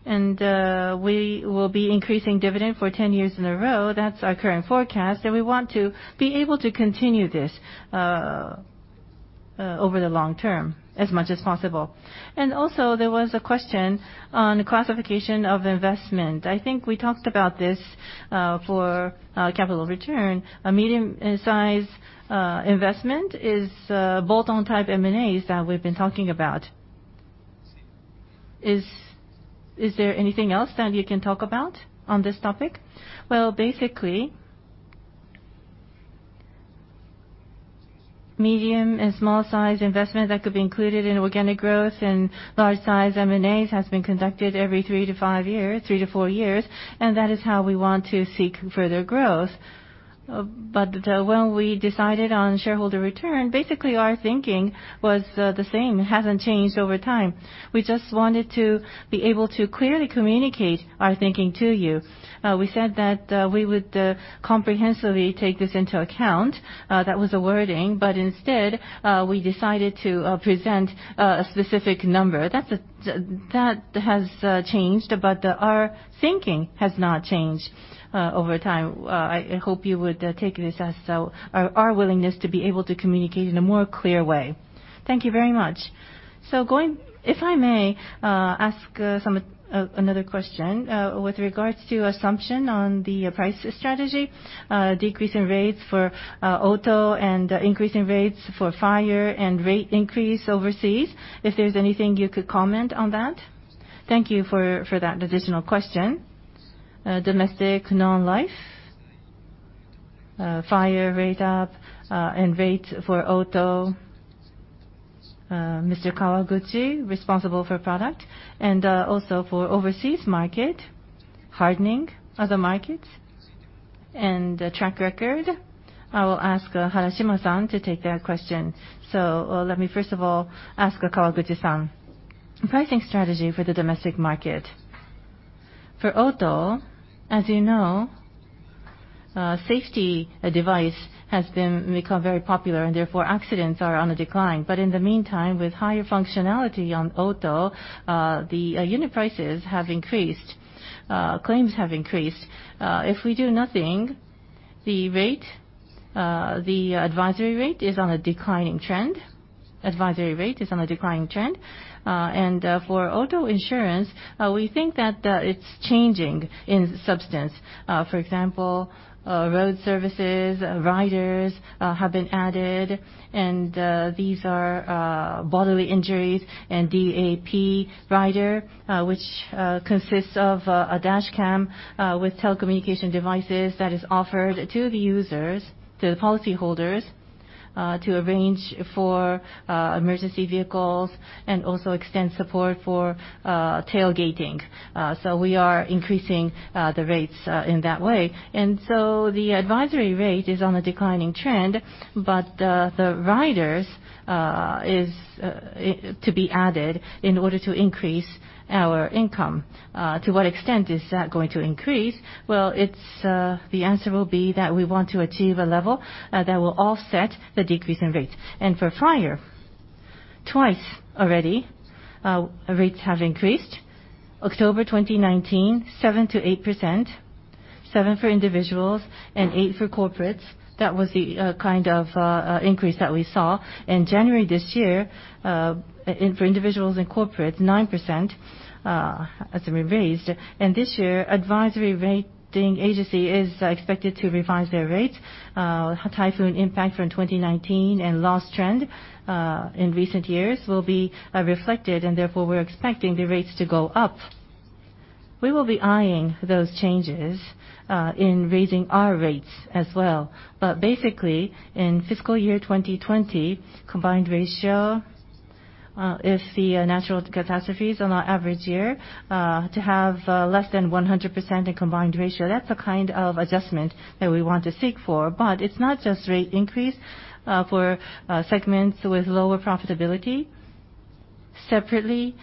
Speaker 1: We will be increasing dividend for 10 years in a row. That's our current forecast. We want to be able to continue this over the long term as much as possible. Also there was a question on the classification of investment. I think we talked about this for capital return. A medium-size investment is bolt-on M&As that we've been talking about. Is there anything else that you can talk about on this topic? Basically, medium and small-size investment that could be included in organic growth and large-size M&As has been conducted every 3 to 4 years, and that is how we want to seek further growth.
Speaker 8: When we decided on shareholder return, basically our thinking was the same. It hasn't changed over time. We just wanted to be able to clearly communicate our thinking to you. We said that we would comprehensively take this into account. That was the wording. Instead, we decided to present a specific number. That has changed, but our thinking has not changed over time. I hope you would take this as our willingness to be able to communicate in a more clear way. Thank you very much. If I may ask another question with regards to assumption on the price strategy, decrease in rates for auto and increase in rates for fire and rate increase overseas, if there's anything you could comment on that? Thank you for that additional question.
Speaker 2: Domestic non-life, fire rate up and rates for auto, Mr. Kawaguchi, responsible for product, and also for overseas market, hardening other markets and track record, I will ask Harashima-san to take that question. Let me first of all ask Kawaguchi-san. Pricing strategy for the domestic market. For auto, as you know, safety device has become very popular and therefore accidents are on a decline. In the meantime, with higher functionality on auto, the unit prices have increased, claims have increased. If we do nothing, the advisory rate is on a declining trend. For auto insurance, we think that it's changing in substance.
Speaker 10: For example, road services, riders have been added, and these are bodily injuries and DAP rider, which consists of a dash cam with telecommunication devices that is offered to the users, to the policy holders, to arrange for emergency vehicles and also extend support for tailgating. We are increasing the rates in that way. The advisory rate is on a declining trend, but the riders is to be added in order to increase our income. To what extent is that going to increase? The answer will be that we want to achieve a level that will offset the decrease in rates. For fire, twice already, rates have increased. October 2019, 7%-8%, 7% for individuals and 8% for corporates. That was the kind of increase that we saw. In January this year, for individuals and corporates, 9% has been raised.
Speaker 1: This year, advisory rating agency is expected to revise their rates. Typhoon impact from 2019 and loss trend in recent years will be reflected, therefore, we're expecting the rates to go up. We will be eyeing those changes in raising our rates as well. Basically, in fiscal year 2020, combined ratio if the natural catastrophe is on our average year to have less than 100% in combined ratio, that's the kind of adjustment that we want to seek for. It's not just rate increase for segments with lower profitability. Separately,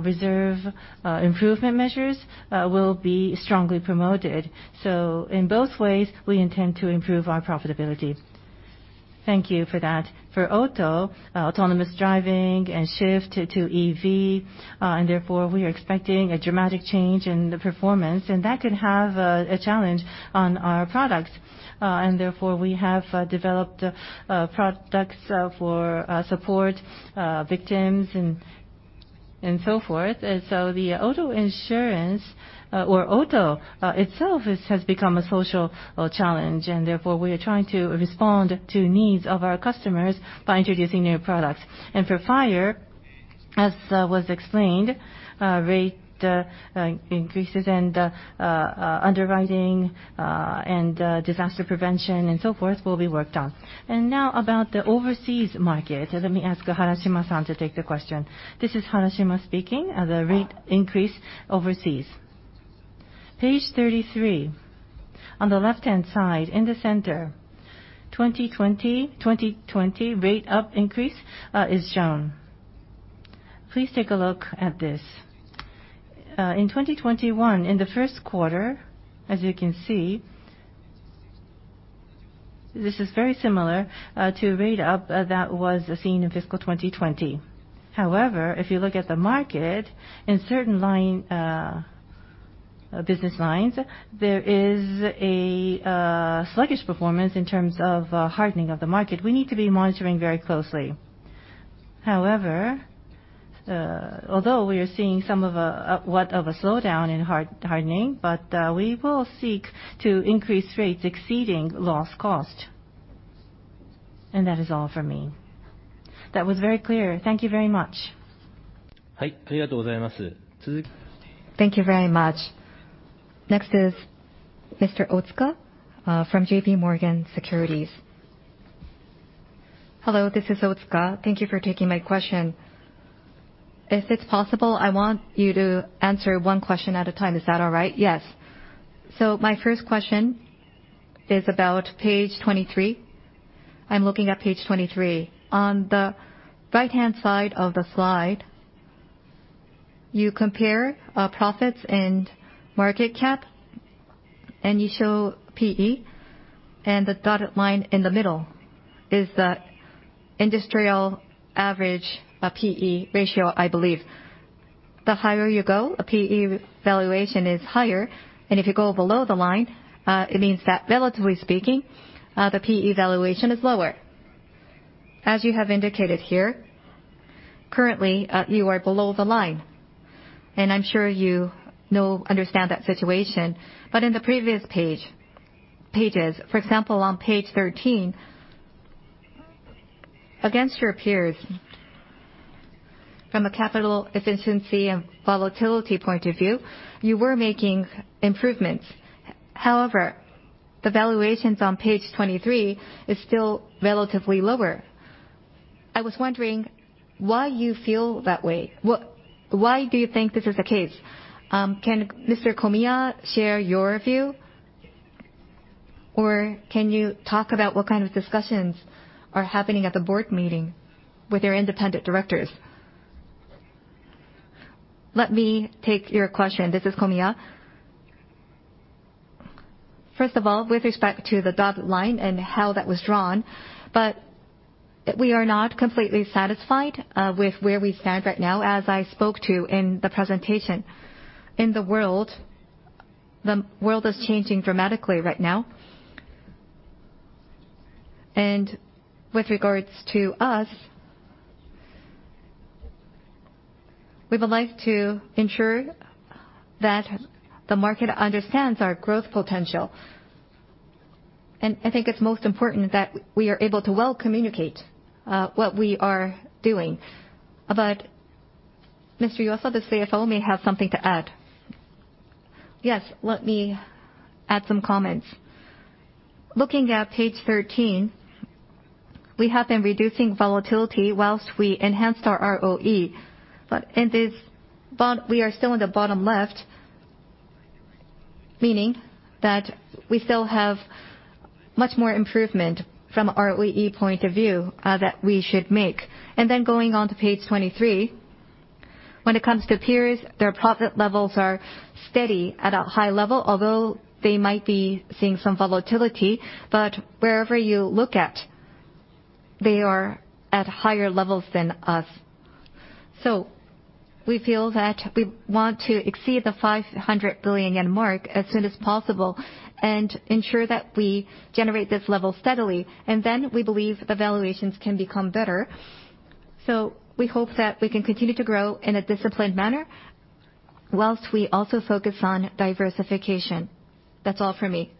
Speaker 1: reserve improvement measures will be strongly promoted. In both ways, we intend to improve our profitability. Thank you for that. For auto, autonomous driving and shift to EV, therefore we are expecting a dramatic change in the performance, and that could have a challenge on our products.
Speaker 2: Therefore, we have developed products for support victims and so forth. The auto insurance, or auto itself, has become a social challenge. Therefore, we are trying to respond to needs of our customers by introducing new products. For fire, as was explained, rate increases and underwriting and disaster prevention and so forth will be worked on. Now about the overseas market, let me ask Harashima-san to take the question. This is Harashima speaking. The rate increase overseas. Page 33. On the left-hand side, in the center, 2020 rate up increase is shown. Please take a look at this. In 2021, in the first quarter, as you can see, this is very similar to a rate up that was seen in fiscal 2020.
Speaker 4: However, if you look at the market, in certain business lines, there is a sluggish performance in terms of hardening of the market. We need to be monitoring very closely. However, although we are seeing somewhat of a slowdown in hardening, but we will seek to increase rates exceeding loss cost. That is all for me. That was very clear. Thank you very much. Thank you very much. Next is Mr. Otsuka from J.P. Morgan Securities.
Speaker 11: Hello, this is Otsuka. Thank you for taking my question. If it's possible, I want you to answer one question at a time. Is that all right?
Speaker 2: Yes.
Speaker 11: My first question is about page 23. I am looking at page 23. On the right-hand side of the slide, you compare profits and market cap, and you show P/E, and the dotted line in the middle is the industrial average P/E ratio, I believe. The higher you go, a P/E valuation is higher. If you go below the line, it means that relatively speaking, the P/E valuation is lower. As you have indicated here, currently, you are below the line. I am sure you understand that situation. In the previous pages, for example, on page 13, against your peers, from a capital efficiency and volatility point of view, you were making improvements. However, the valuations on page 23 is still relatively lower. I was wondering why you feel that way. Why do you think this is the case? Can Mr. Komiya share your view?
Speaker 2: Can you talk about what kind of discussions are happening at the board meeting with your independent directors? Let me take your question. This is Komiya. First of all, with respect to the dotted line and how that was drawn, we are not completely satisfied with where we stand right now, as I spoke to in the presentation. In the world, the world is changing dramatically right now. With regards to us, we would like to ensure that the market understands our growth potential. I think it is most important that we are able to well communicate what we are doing. Mr. Yuasa, the CFO, may have something to add. Yes. Let me add some comments. Looking at page 13, we have been reducing volatility whilst we enhanced our ROE.
Speaker 9: We are still in the bottom left, meaning that we still have much more improvement from a ROE point of view that we should make. Going on to page 23, when it comes to peers, their profit levels are steady at a high level, although they might be seeing some volatility. Wherever you look at, they are at higher levels than us. We feel that we want to exceed the 500 billion yen mark as soon as possible and ensure that we generate this level steadily, and then we believe the valuations can become better. We hope that we can continue to grow in a disciplined manner whilst we also focus on diversification. That is all for me.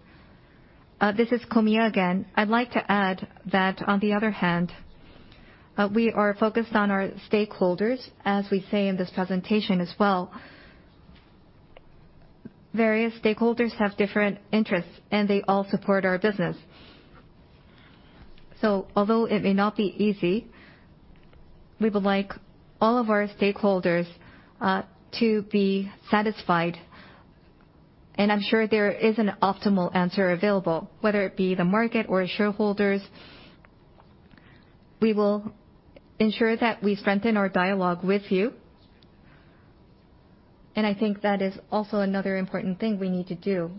Speaker 9: This is Komiya again. I would like to add that, on the other hand, we are focused on our stakeholders, as we say in this presentation as well.
Speaker 2: Various stakeholders have different interests, and they all support our business. Although it may not be easy, we would like all of our stakeholders to be satisfied, and I am sure there is an optimal answer available, whether it be the market or shareholders. We will ensure that we strengthen our dialogue with you, and I think that is also another important thing we need to do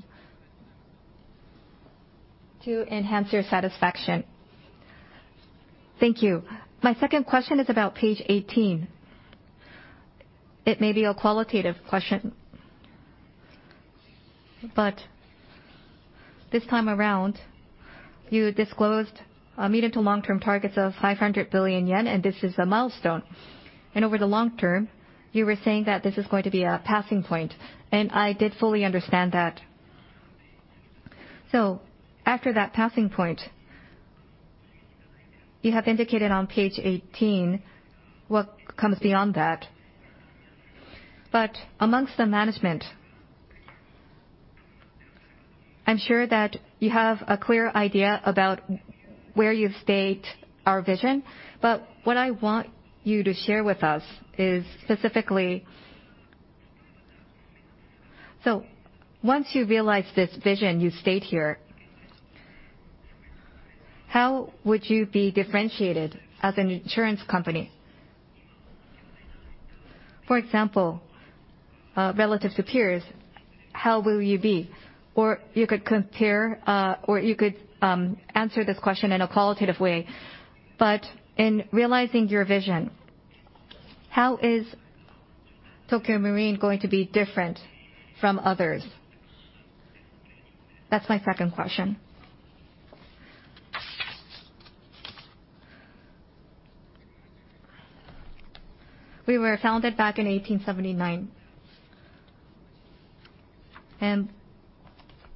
Speaker 2: to enhance your satisfaction. Thank you. My second question is about page 18. It may be a qualitative question, this time around, you disclosed a medium to long-term targets of 500 billion yen, and this is a milestone. Over the long term, you were saying that this is going to be a passing point, and I did fully understand that. After that passing point, you have indicated on page 18 what comes beyond that.
Speaker 11: Amongst the management, I'm sure that you have a clear idea about where you state our vision, what I want you to share with us is specifically, so once you realize this vision you state here, how would you be differentiated as an insurance company? For example, relative to peers, how will you be? Or you could compare, or you could answer this question in a qualitative way. In realizing your vision, how is Tokio Marine going to be different from others? That's my second question. We were founded back in 1879, and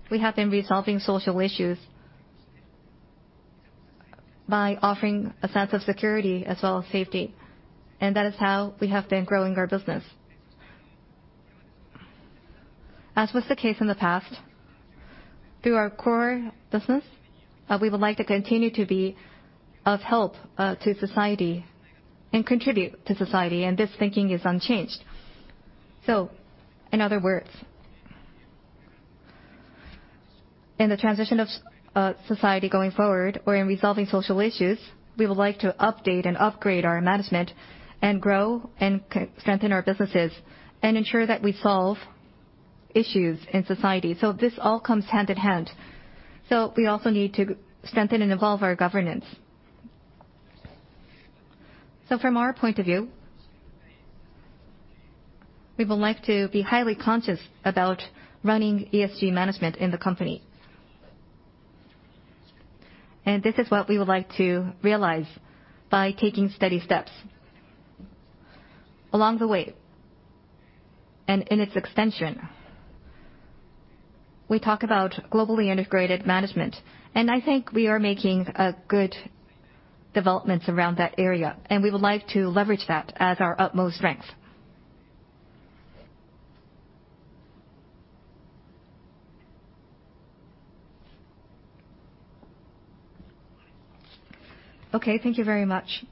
Speaker 11: we have been resolving social issues by offering a sense of security as well as safety, and that is how we have been growing our business.
Speaker 2: As was the case in the past, through our core business, we would like to continue to be of help to society and contribute to society, this thinking is unchanged. In other words, in the transition of society going forward or in resolving social issues, we would like to update and upgrade our management and grow and strengthen our businesses and ensure that we solve issues in society. This all comes hand in hand. We also need to strengthen and evolve our governance. From our point of view, we would like to be highly conscious about running ESG management in the company. This is what we would like to realize by taking steady steps.
Speaker 11: Along the way, in its extension, we talk about globally integrated management, I think we are making good developments around that area, we would like to leverage that as our utmost strength. Okay, thank you very much.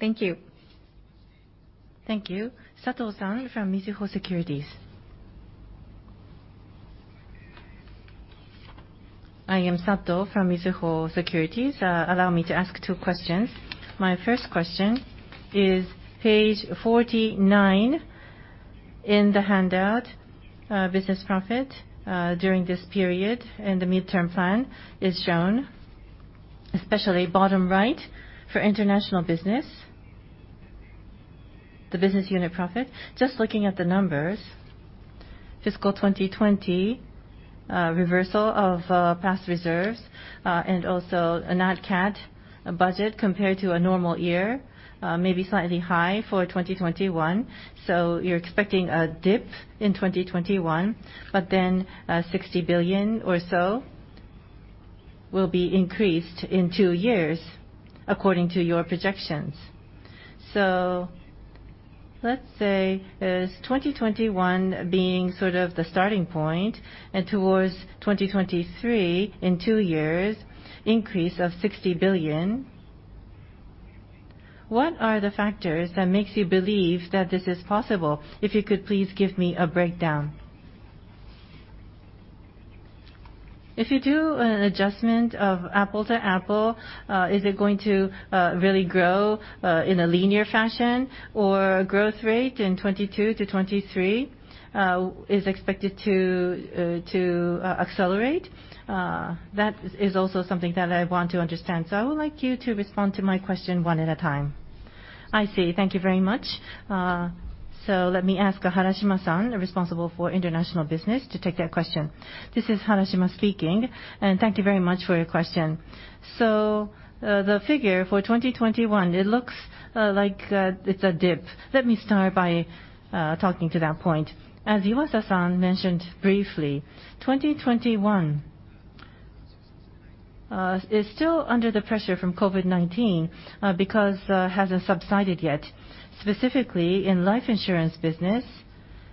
Speaker 11: Thank you.
Speaker 1: Thank you. Koki-san from Mizuho Securities. I am Koki from Mizuho Securities. Allow me to ask two questions. My first question is, page 49 in the handout, business profit during this period in the midterm plan is shown, especially bottom right for international business, the business unit profit. Just looking at the numbers, fiscal 2020 reversal of past reserves and also a net cat budget compared to a normal year, maybe slightly high for 2021. You're expecting a dip in 2021, but then 60 billion or so will be increased in two years according to your projections. Let's say as 2021 being sort of the starting point and towards 2023 in two years, increase of 60 billion. What are the factors that makes you believe that this is possible? If you could please give me a breakdown.
Speaker 12: If you do an adjustment of apple-to-apple, is it going to really grow in a linear fashion or growth rate in 2022 to 2023, is expected to accelerate? That is also something that I want to understand. I would like you to respond to my question one at a time.
Speaker 2: I see. Thank you very much. Let me ask Harashima-san, responsible for international business, to take that question.
Speaker 4: This is Harashima speaking, thank you very much for your question. The figure for 2021, it looks like it's a dip. Let me start by talking to that point. As Iwasa-san mentioned briefly, 2021 is still under the pressure from COVID-19 because it hasn't subsided yet. Specifically in life insurance business,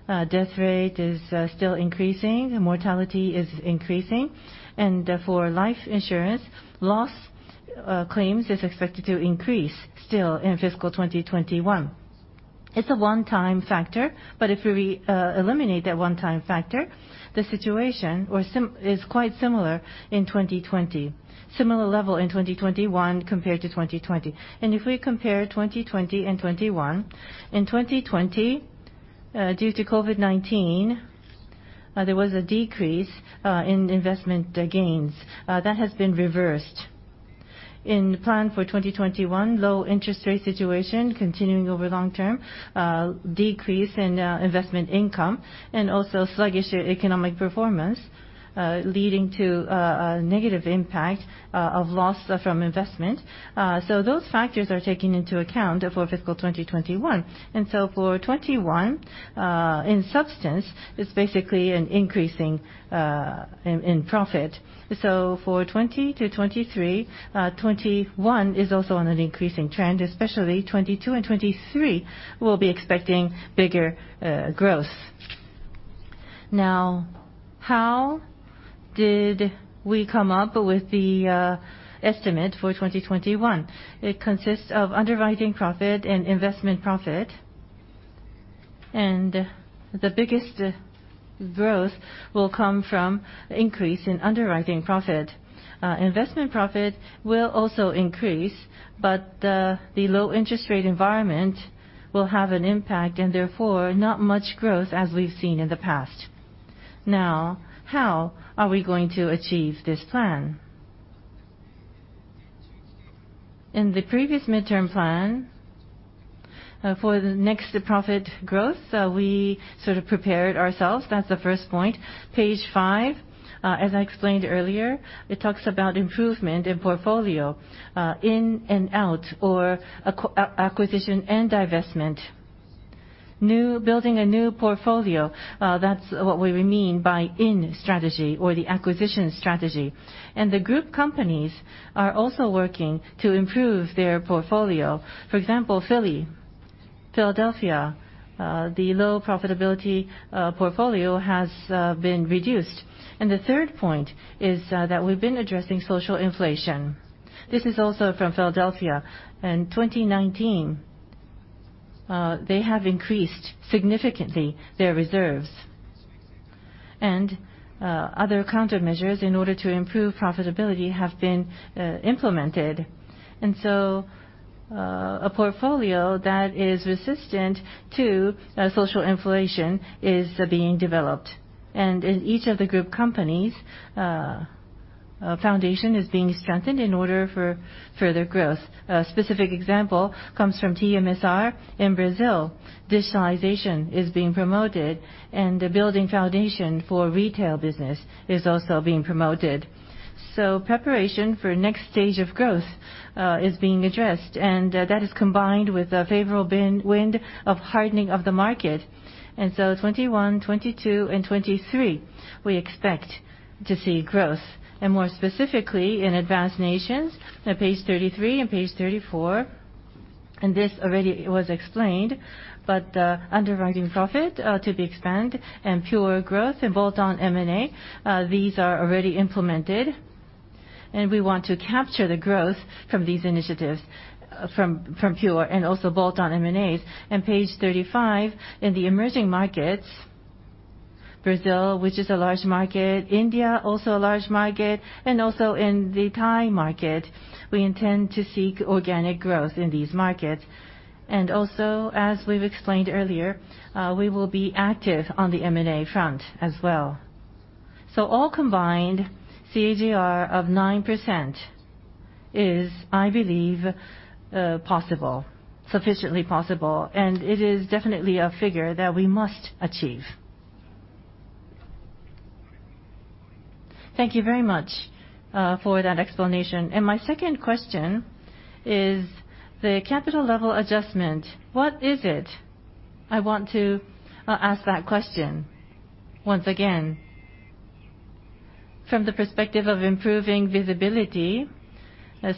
Speaker 4: death rate is still increasing, mortality is increasing, and for life insurance, loss claims is expected to increase still in fiscal 2021. It's a one-time factor, but if we eliminate that one-time factor, the situation is quite similar in 2020, similar level in 2021 compared to 2020. If we compare 2020 and 2021, in 2020, due to COVID-19, there was a decrease in investment gains. That has been reversed.
Speaker 1: In plan for 2021, low interest rate situation continuing over long term, decrease in investment income, and also sluggish economic performance, leading to a negative impact of loss from investment. Those factors are taken into account for fiscal 2021. For 2021, in substance, it's basically an increasing in profit. For 2020 to 2023, 2021 is also on an increasing trend, especially 2022 and 2023, we'll be expecting bigger growth. Now, how did we come up with the estimate for 2021? It consists of underwriting profit and investment profit. The biggest growth will come from increase in underwriting profit. Investment profit will also increase, but the low interest rate environment will have an impact and therefore, not much growth as we've seen in the past. Now, how are we going to achieve this plan?
Speaker 4: In the previous midterm plan for the next profit growth, we sort of prepared ourselves. That's the first point. Page five, as I explained earlier, it talks about improvement in portfolio, in and out, or acquisition and divestment. Building a new portfolio, that's what we mean by in strategy or the acquisition strategy. The group companies are also working to improve their portfolio. For example, Philly, Philadelphia, the low profitability portfolio has been reduced. The third point is that we've been addressing social inflation. This is also from Philadelphia. In 2019, they have increased significantly their reserves. Other countermeasures in order to improve profitability have been implemented. A portfolio that is resistant to social inflation is being developed. In each of the group companies, a foundation is being strengthened in order for further growth. A specific example comes from TMSR in Brazil.
Speaker 1: Digitalization is being promoted, and the building foundation for retail business is also being promoted. Preparation for next stage of growth is being addressed, and that is combined with a favorable wind of hardening of the market. 2021, 2022, and 2023, we expect to see growth. More specifically in advanced nations, at page 33 and page 34, this already was explained, the underwriting profit to be expanded and Pure growth and bolt-on M&A, these are already implemented. We want to capture the growth from these initiatives from Pure and also bolt-on M&A. Page 35, in the emerging markets, Brazil, which is a large market, India, also a large market, and also in the Thai market, we intend to seek organic growth in these markets. Also, as we've explained earlier, we will be active on the M&A front as well.
Speaker 12: All combined, CAGR of 9% is, I believe, sufficiently possible, and it is definitely a figure that we must achieve. Thank you very much for that explanation. My second question is the capital level adjustment. What is it? I want to ask that question once again. From the perspective of improving visibility,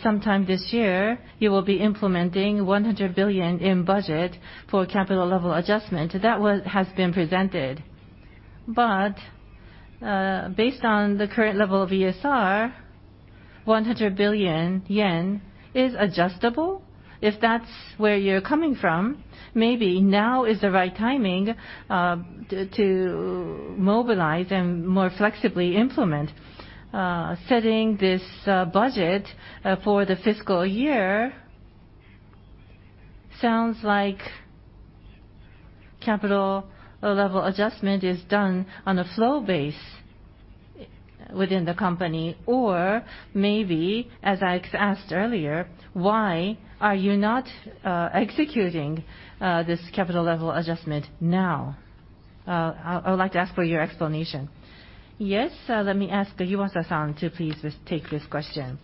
Speaker 12: sometime this year, you will be implementing 100 billion in budget for capital level adjustment. That has been presented. Based on the current level of ESR, 100 billion yen is adjustable. If that's where you're coming from, maybe now is the right timing to mobilize and more flexibly implement. Setting this budget for the fiscal year sounds like capital level adjustment is done on a flow base within the company. Maybe, as I asked earlier, why are you not executing this capital level adjustment now? I would like to ask for your explanation. Yes.
Speaker 9: Let me ask Yuasa-san to please take this question.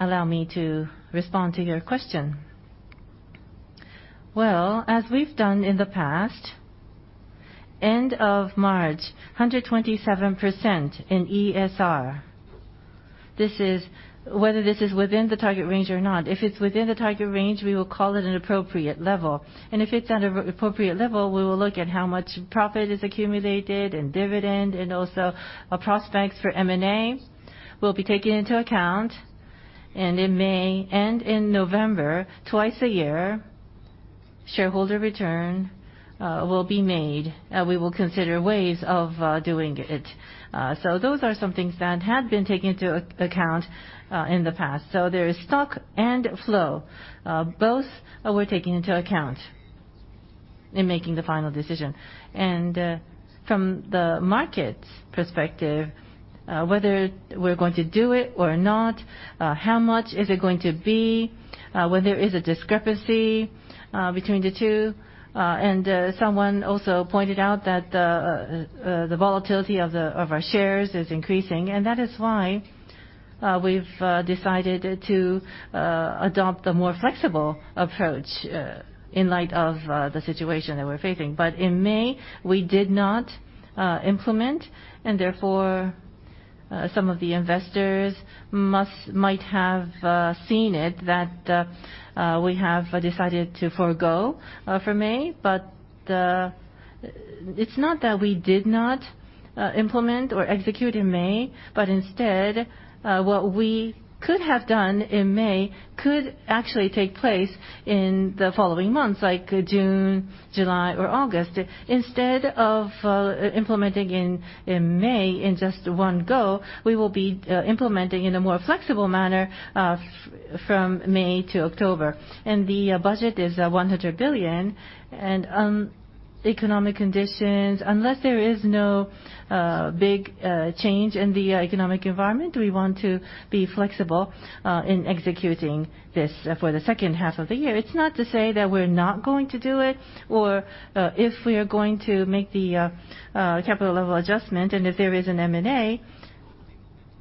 Speaker 9: Allow me to respond to your question. As we've done in the past, end of March, 127% in ESR. Whether this is within the target range or not, if it's within the target range, we will call it an appropriate level. If it's at an appropriate level, we will look at how much profit is accumulated and dividend, and also prospects for M&A will be taken into account. In May and in November, twice a year, shareholder return will be made. We will consider ways of doing it. Those are some things that have been taken into account in the past. There is stock and flow. Both were taken into account in making the final decision. From the market's perspective, whether we're going to do it or not, how much is it going to be, whether there is a discrepancy between the two. Someone also pointed out that the volatility of our shares is increasing, and that is why we've decided to adopt the more flexible approach in light of the situation that we're facing. In May, we did not implement, and therefore, some of the investors might have seen it, that we have decided to forgo for May. It's not that we did not implement or execute in May, but instead, what we could have done in May could actually take place in the following months, like June, July, or August. Instead of implementing in May in just one go, we will be implementing in a more flexible manner from May to October.
Speaker 12: The budget is 100 billion, and economic conditions, unless there is no big change in the economic environment, we want to be flexible in executing this for the second half of the year. It's not to say that we're not going to do it, or if we are going to make the capital level adjustment, and if there is an M&A,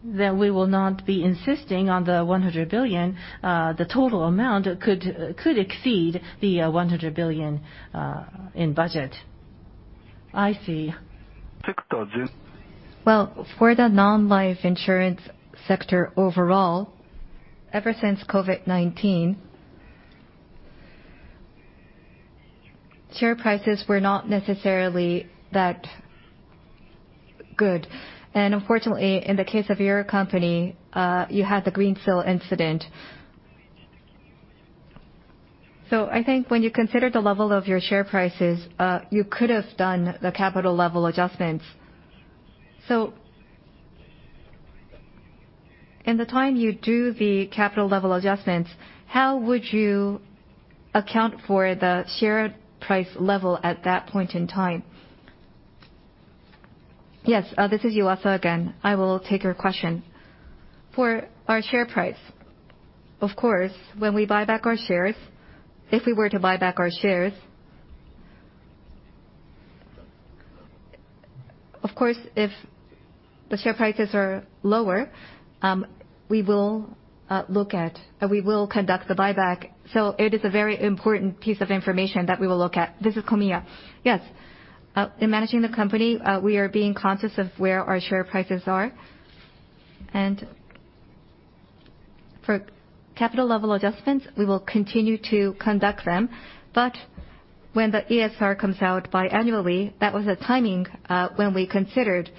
Speaker 12: then we will not be insisting on the 100 billion. The total amount could exceed the 100 billion in budget. I see. For the non-life insurance sector overall, ever since COVID-19, share prices were not necessarily that good. Unfortunately, in the case of your company, you had the Greensill incident
Speaker 2: I think when you consider the level of your share prices, you could have done the capital level adjustments. In the time you do the capital level adjustments, how would you account for the share price level at that point in time? Yes. This is Yuasa again. I will take your question. For our share price, of course, when we buy back our shares, if we were to buy back our shares, of course, if the share prices are lower, we will conduct the buyback. It is a very important piece of information that we will look at. This is Komiya. Yes. In managing the company, we are being conscious of where our share prices are. For capital level adjustments, we will continue to conduct them, but when the ESR comes out biannually, that was the timing when we considered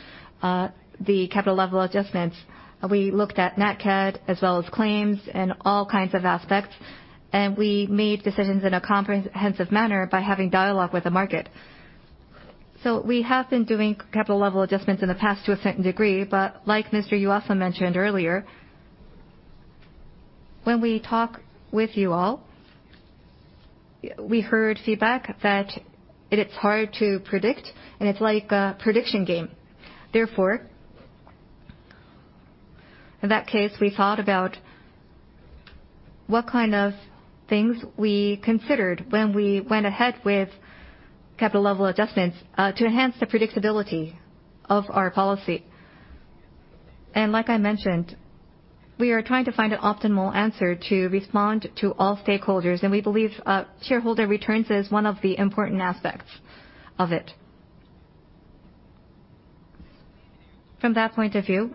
Speaker 2: the capital level adjustments. We looked at net cat, as well as claims and all kinds of aspects, and we made decisions in a comprehensive manner by having dialogue with the market. We have been doing capital level adjustments in the past to a certain degree, but like Mr. Yuasa mentioned earlier, when we talk with you all, we heard feedback that it is hard to predict, and it's like a prediction game. In that case, we thought about what kind of things we considered when we went ahead with capital level adjustments to enhance the predictability of our policy. Like I mentioned, we are trying to find an optimal answer to respond to all stakeholders, and we believe shareholder returns is one of the important aspects of it. From that point of view,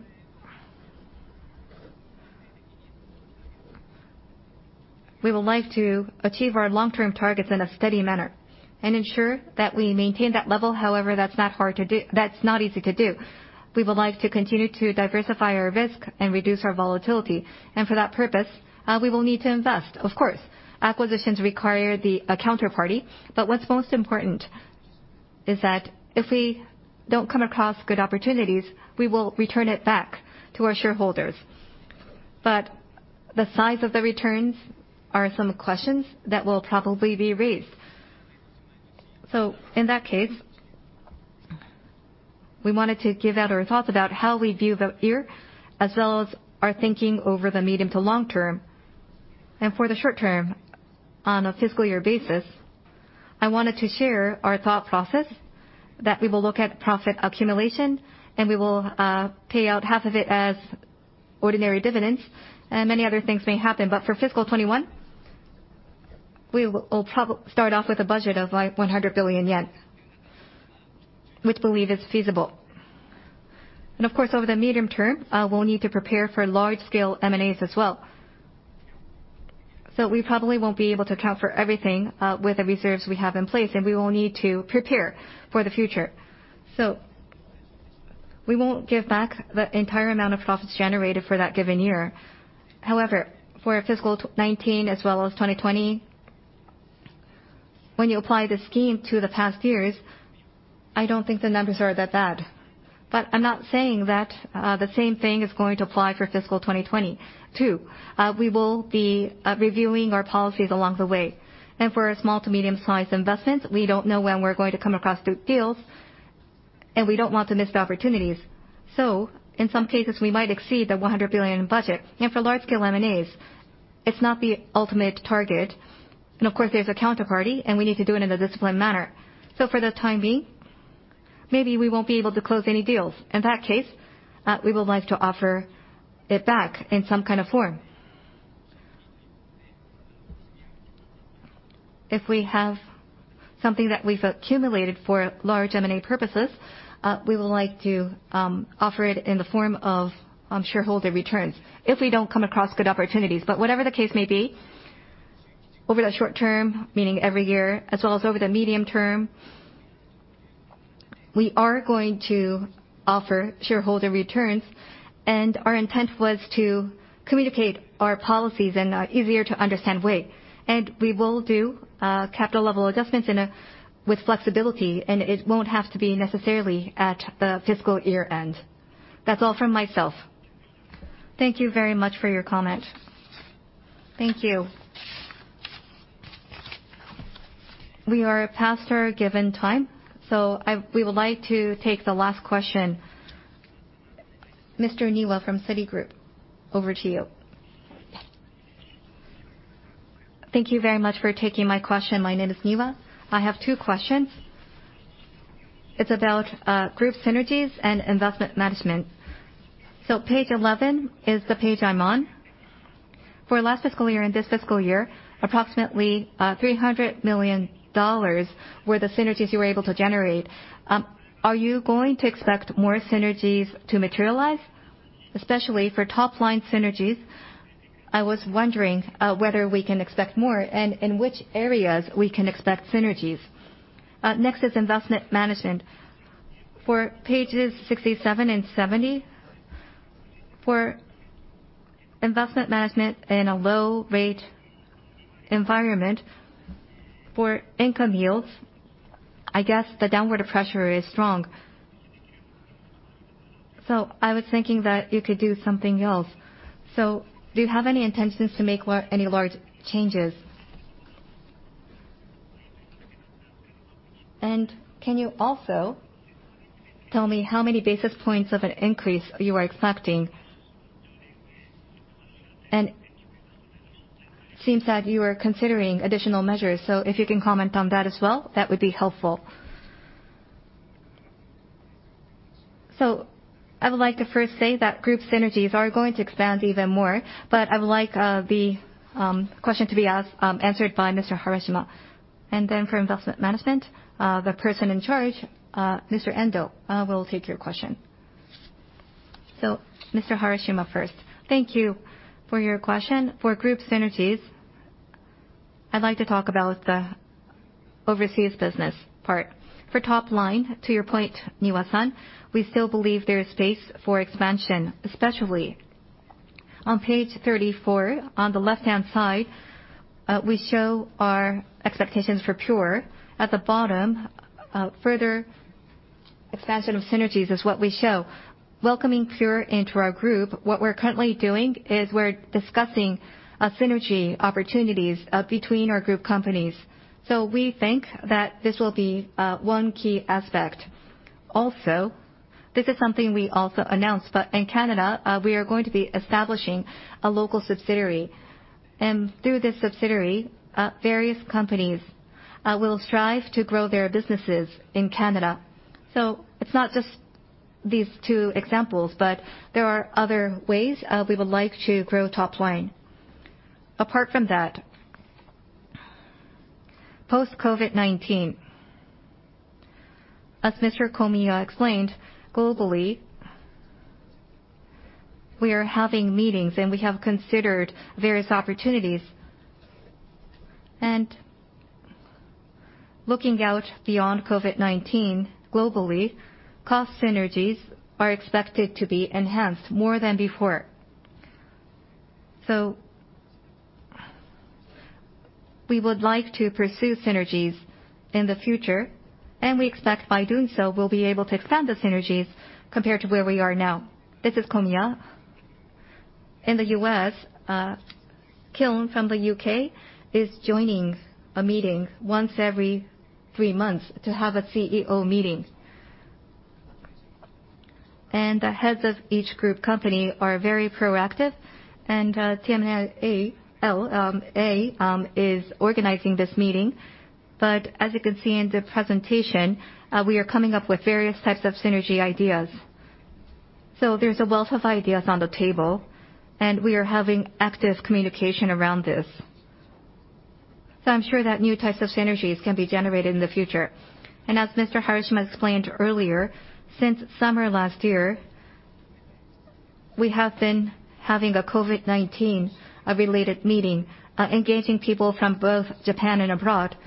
Speaker 2: we would like to achieve our long-term targets in a steady manner and ensure that we maintain that level. That's not easy to do. We would like to continue to diversify our risk and reduce our volatility. For that purpose, we will need to invest. Of course, acquisitions require a counterparty, but what's most important is that if we don't come across good opportunities, we will return it back to our shareholders. The size of the returns are some questions that will probably be raised. In that case, we wanted to give out our thoughts about how we view the year as well as our thinking over the medium to long term. For the short term, on a fiscal year basis, I wanted to share our thought process that we will look at profit accumulation, and we will pay out half of it as ordinary dividends, and many other things may happen. For fiscal 2021, we will start off with a budget of 100 billion yen, which we believe is feasible. Of course, over the medium term, we'll need to prepare for large-scale M&As as well. We probably won't be able to account for everything with the reserves we have in place, and we will need to prepare for the future. We won't give back the entire amount of profits generated for that given year. For fiscal 2019 as well as 2020, when you apply the scheme to the past years, I don't think the numbers are that bad. I'm not saying that the same thing is going to apply for fiscal 2020 too. We will be reviewing our policies along the way. For our small to medium-sized investments, we don't know when we're going to come across good deals, and we don't want to miss the opportunities. In some cases, we might exceed the 100 billion budget. For large scale M&As, it's not the ultimate target. Of course, there's a counterparty, and we need to do it in a disciplined manner. For the time being, maybe we won't be able to close any deals. In that case, we would like to offer it back in some kind of form. If we have something that we've accumulated for large M&A purposes, we would like to offer it in the form of shareholder returns if we don't come across good opportunities.
Speaker 1: Whatever the case may be, over the short term, meaning every year, as well as over the medium term, we are going to offer shareholder returns, and our intent was to communicate our policies in a easier to understand way. We will do capital level adjustments with flexibility, and it won't have to be necessarily at the fiscal year-end. That's all from myself. Thank you very much for your comment. Thank you. We are past our given time, we would like to take the last question. Mr. Niwa from Citigroup, over to you. Thank you very much for taking my question. My name is Niwa. I have two questions. It's about group synergies and investment management. Page 11 is the page I'm on. For last fiscal year and this fiscal year, approximately JPY 300 million were the synergies you were able to generate.
Speaker 13: Are you going to expect more synergies to materialize? Especially for top-line synergies, I was wondering whether we can expect more and in which areas we can expect synergies. Next is investment management. For pages 67 and 70, for investment management in a low rate environment for income yields, I guess the downward pressure is strong. I was thinking that you could do something else. Do you have any intentions to make any large changes? Can you also tell me how many basis points of an increase you are expecting? It seems that you are considering additional measures, so if you can comment on that as well, that would be helpful. I would like to first say that group synergies are going to expand even more, but I would like the question to be answered by Mr. Harashima.
Speaker 2: For investment management, the person in charge, Mr. Endo, will take your question. Mr. Harashima first. Thank you for your question. For group synergies, I'd like to talk about the overseas business part. For top line, to your point, Mr. Niwa, we still believe there is space for expansion, especially on page 34 on the left-hand side, we show our expectations for Pure. At the bottom, further expansion of synergies is what we show. Welcoming Pure into our group, what we're currently doing is we're discussing synergy opportunities between our group companies. We think that this will be one key aspect. This is something we also announced, but in Canada, we are going to be establishing a local subsidiary. Through this subsidiary, various companies will strive to grow their businesses in Canada. It's not just these two examples, but there are other ways we would like to grow top line. Apart from that, post-COVID-19, as Mr. Komiya explained, globally, we are having meetings and we have considered various opportunities. Looking out beyond COVID-19, globally, cost synergies are expected to be enhanced more than before. We would like to pursue synergies in the future, and we expect by doing so, we'll be able to expand the synergies compared to where we are now. This is Komiya. In the U.S., Tokio Marine Kiln from the U.K. is joining a meeting once every three months to have a CEO meeting. The heads of each group company are very proactive, and Tokio Marine Latinoamérica is organizing this meeting. As you can see in the presentation, we are coming up with various types of synergy ideas. There's a wealth of ideas on the table, and we are having active communication around this. I'm sure that new types of synergies can be generated in the future. As Mr. Harashima explained earlier, since summer last year, we have been having a COVID-19 related meeting, engaging people from both Japan and abroad.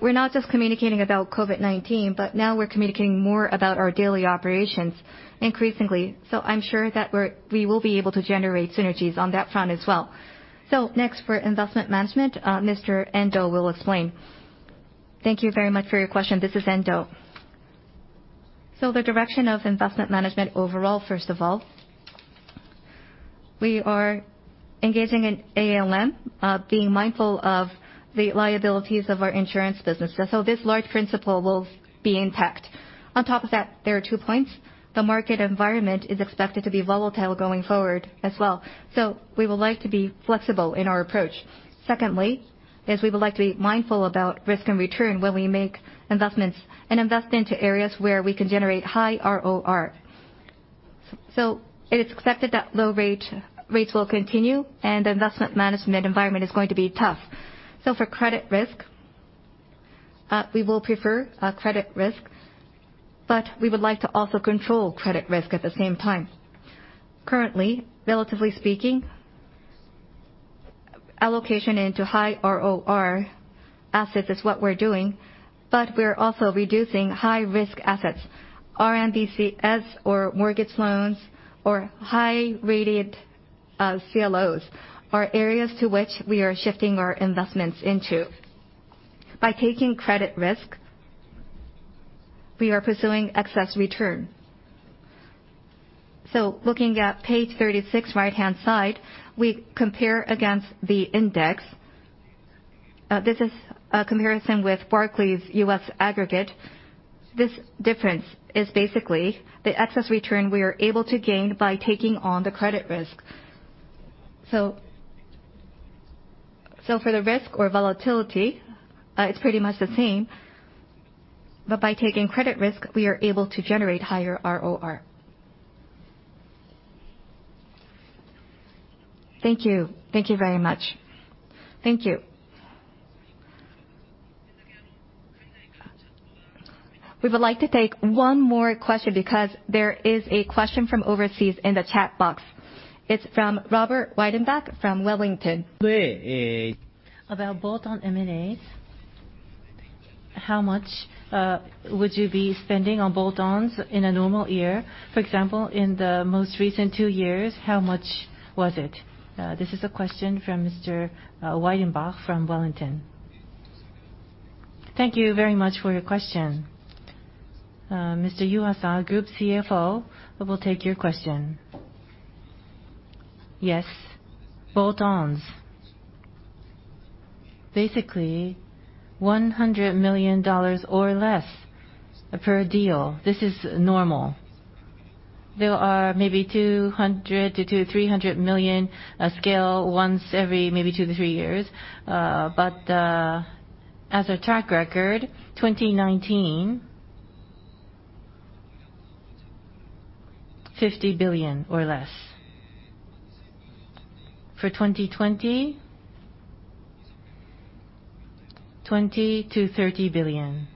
Speaker 2: We're not just communicating about COVID-19, but now we're communicating more about our daily operations increasingly. I'm sure that we will be able to generate synergies on that front as well. Next, for investment management, Mr. Endo will explain. Thank you very much for your question. This is Endo. The direction of investment management overall, first of all. We are engaging in ALM, being mindful of the liabilities of our insurance business. This large principle will be intact. On top of that, there are two points.
Speaker 14: The market environment is expected to be volatile going forward as well. We would like to be flexible in our approach. Secondly, is we would like to be mindful about risk and return when we make investments and invest into areas where we can generate high ROR. It is expected that low rates will continue and the investment management environment is going to be tough. For credit risk, we will prefer credit risk, but we would like to also control credit risk at the same time. Currently, relatively speaking, allocation into high ROR assets is what we're doing, but we're also reducing high risk assets. RMBS or mortgage loans or high-rated CLOs are areas to which we are shifting our investments into. By taking credit risk, we are pursuing excess return. Looking at page 36 right-hand side, we compare against the index.
Speaker 1: This is a comparison with Barclays US aggregate. This difference is basically the excess return we are able to gain by taking on the credit risk. For the risk or volatility, it's pretty much the same. By taking credit risk, we are able to generate higher ROR. Thank you. Thank you very much. Thank you. We would like to take one more question because there is a question from overseas in the chat box. It's from Robert Weidenbach from Wellington. About bolt-ons
Speaker 9: How much would you be spending on bolt-ons in a normal year? For example, in the most recent two years, how much was it? This is a question from Mr. Weidenbach from Wellington. Thank you very much for your question. Mr. Yuasa, Group CFO, will take your question. Yes. Bolt-ons. Basically, $100 million or less per deal. This is normal. There are maybe $200 to $300 million scale once every maybe two to three years. But as a track record, 2019, $50 billion or less. For 2020, $20 to $30 billion.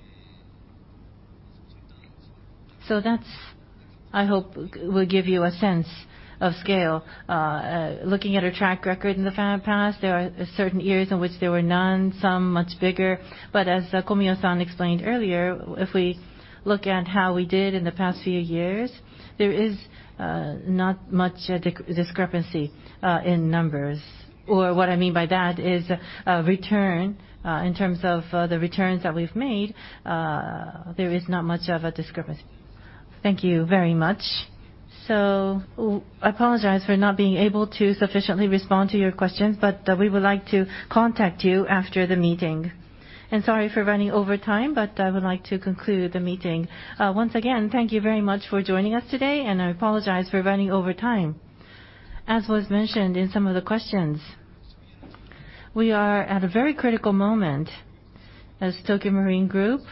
Speaker 9: That, I hope, will give you a sense of scale. Looking at our track record in the past, there are certain years in which there were none, some much bigger. But as Komiya-san explained earlier, if we look at how we did in the past few years, there is not much discrepancy in numbers.
Speaker 2: What I mean by that is return. In terms of the returns that we've made, there is not much of a discrepancy. Thank you very much. I apologize for not being able to sufficiently respond to your questions, but we would like to contact you after the meeting. Sorry for running over time, but I would like to conclude the meeting. Once again, thank you very much for joining us today, and I apologize for running over time. As was mentioned in some of the questions, we are at a very critical moment as Tokio Marine Group.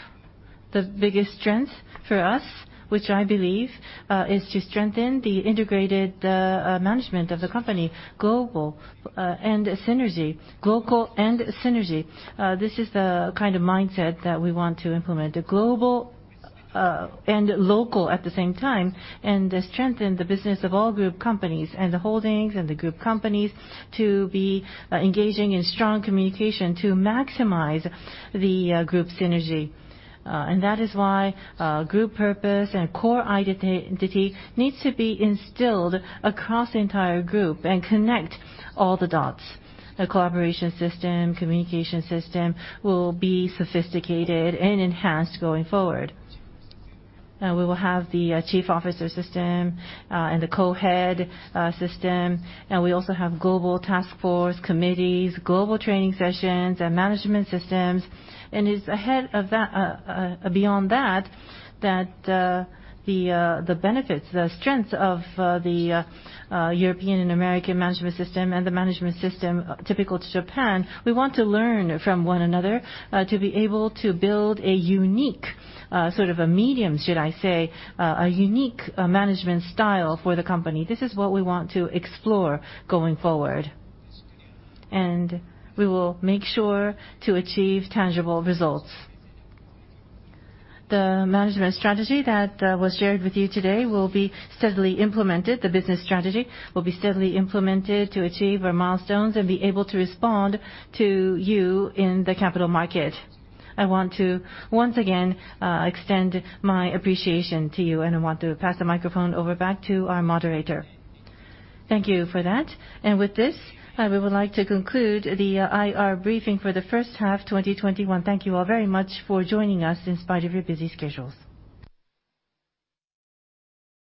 Speaker 2: The biggest strength for us, which I believe, is to strengthen the integrated management of the company, global and synergy. Global and synergy.
Speaker 1: This is the kind of mindset that we want to implement, global and local at the same time, strengthen the business of all group companies and the holdings and the group companies to be engaging in strong communication to maximize the group synergy. That is why group purpose and core identity needs to be instilled across the entire group and connect all the dots. The collaboration system, communication system will be sophisticated and enhanced going forward. We will have the chief officer system and the co-head system. We also have global task force committees, global training sessions, and management systems. It's beyond that the benefits, the strengths of the European and American management system and the management system typical to Japan, we want to learn from one another to be able to build a unique sort of a medium, should I say, a unique management style for the company. This is what we want to explore going forward. We will make sure to achieve tangible results. The management strategy that was shared with you today will be steadily implemented. The business strategy will be steadily implemented to achieve our milestones and be able to respond to you in the capital market. I want to once again extend my appreciation to you, and I want to pass the microphone over back to our moderator. Thank you for that. With this, we would like to conclude the IR briefing for the first half 2021. Thank you all very much for joining us in spite of your busy schedules.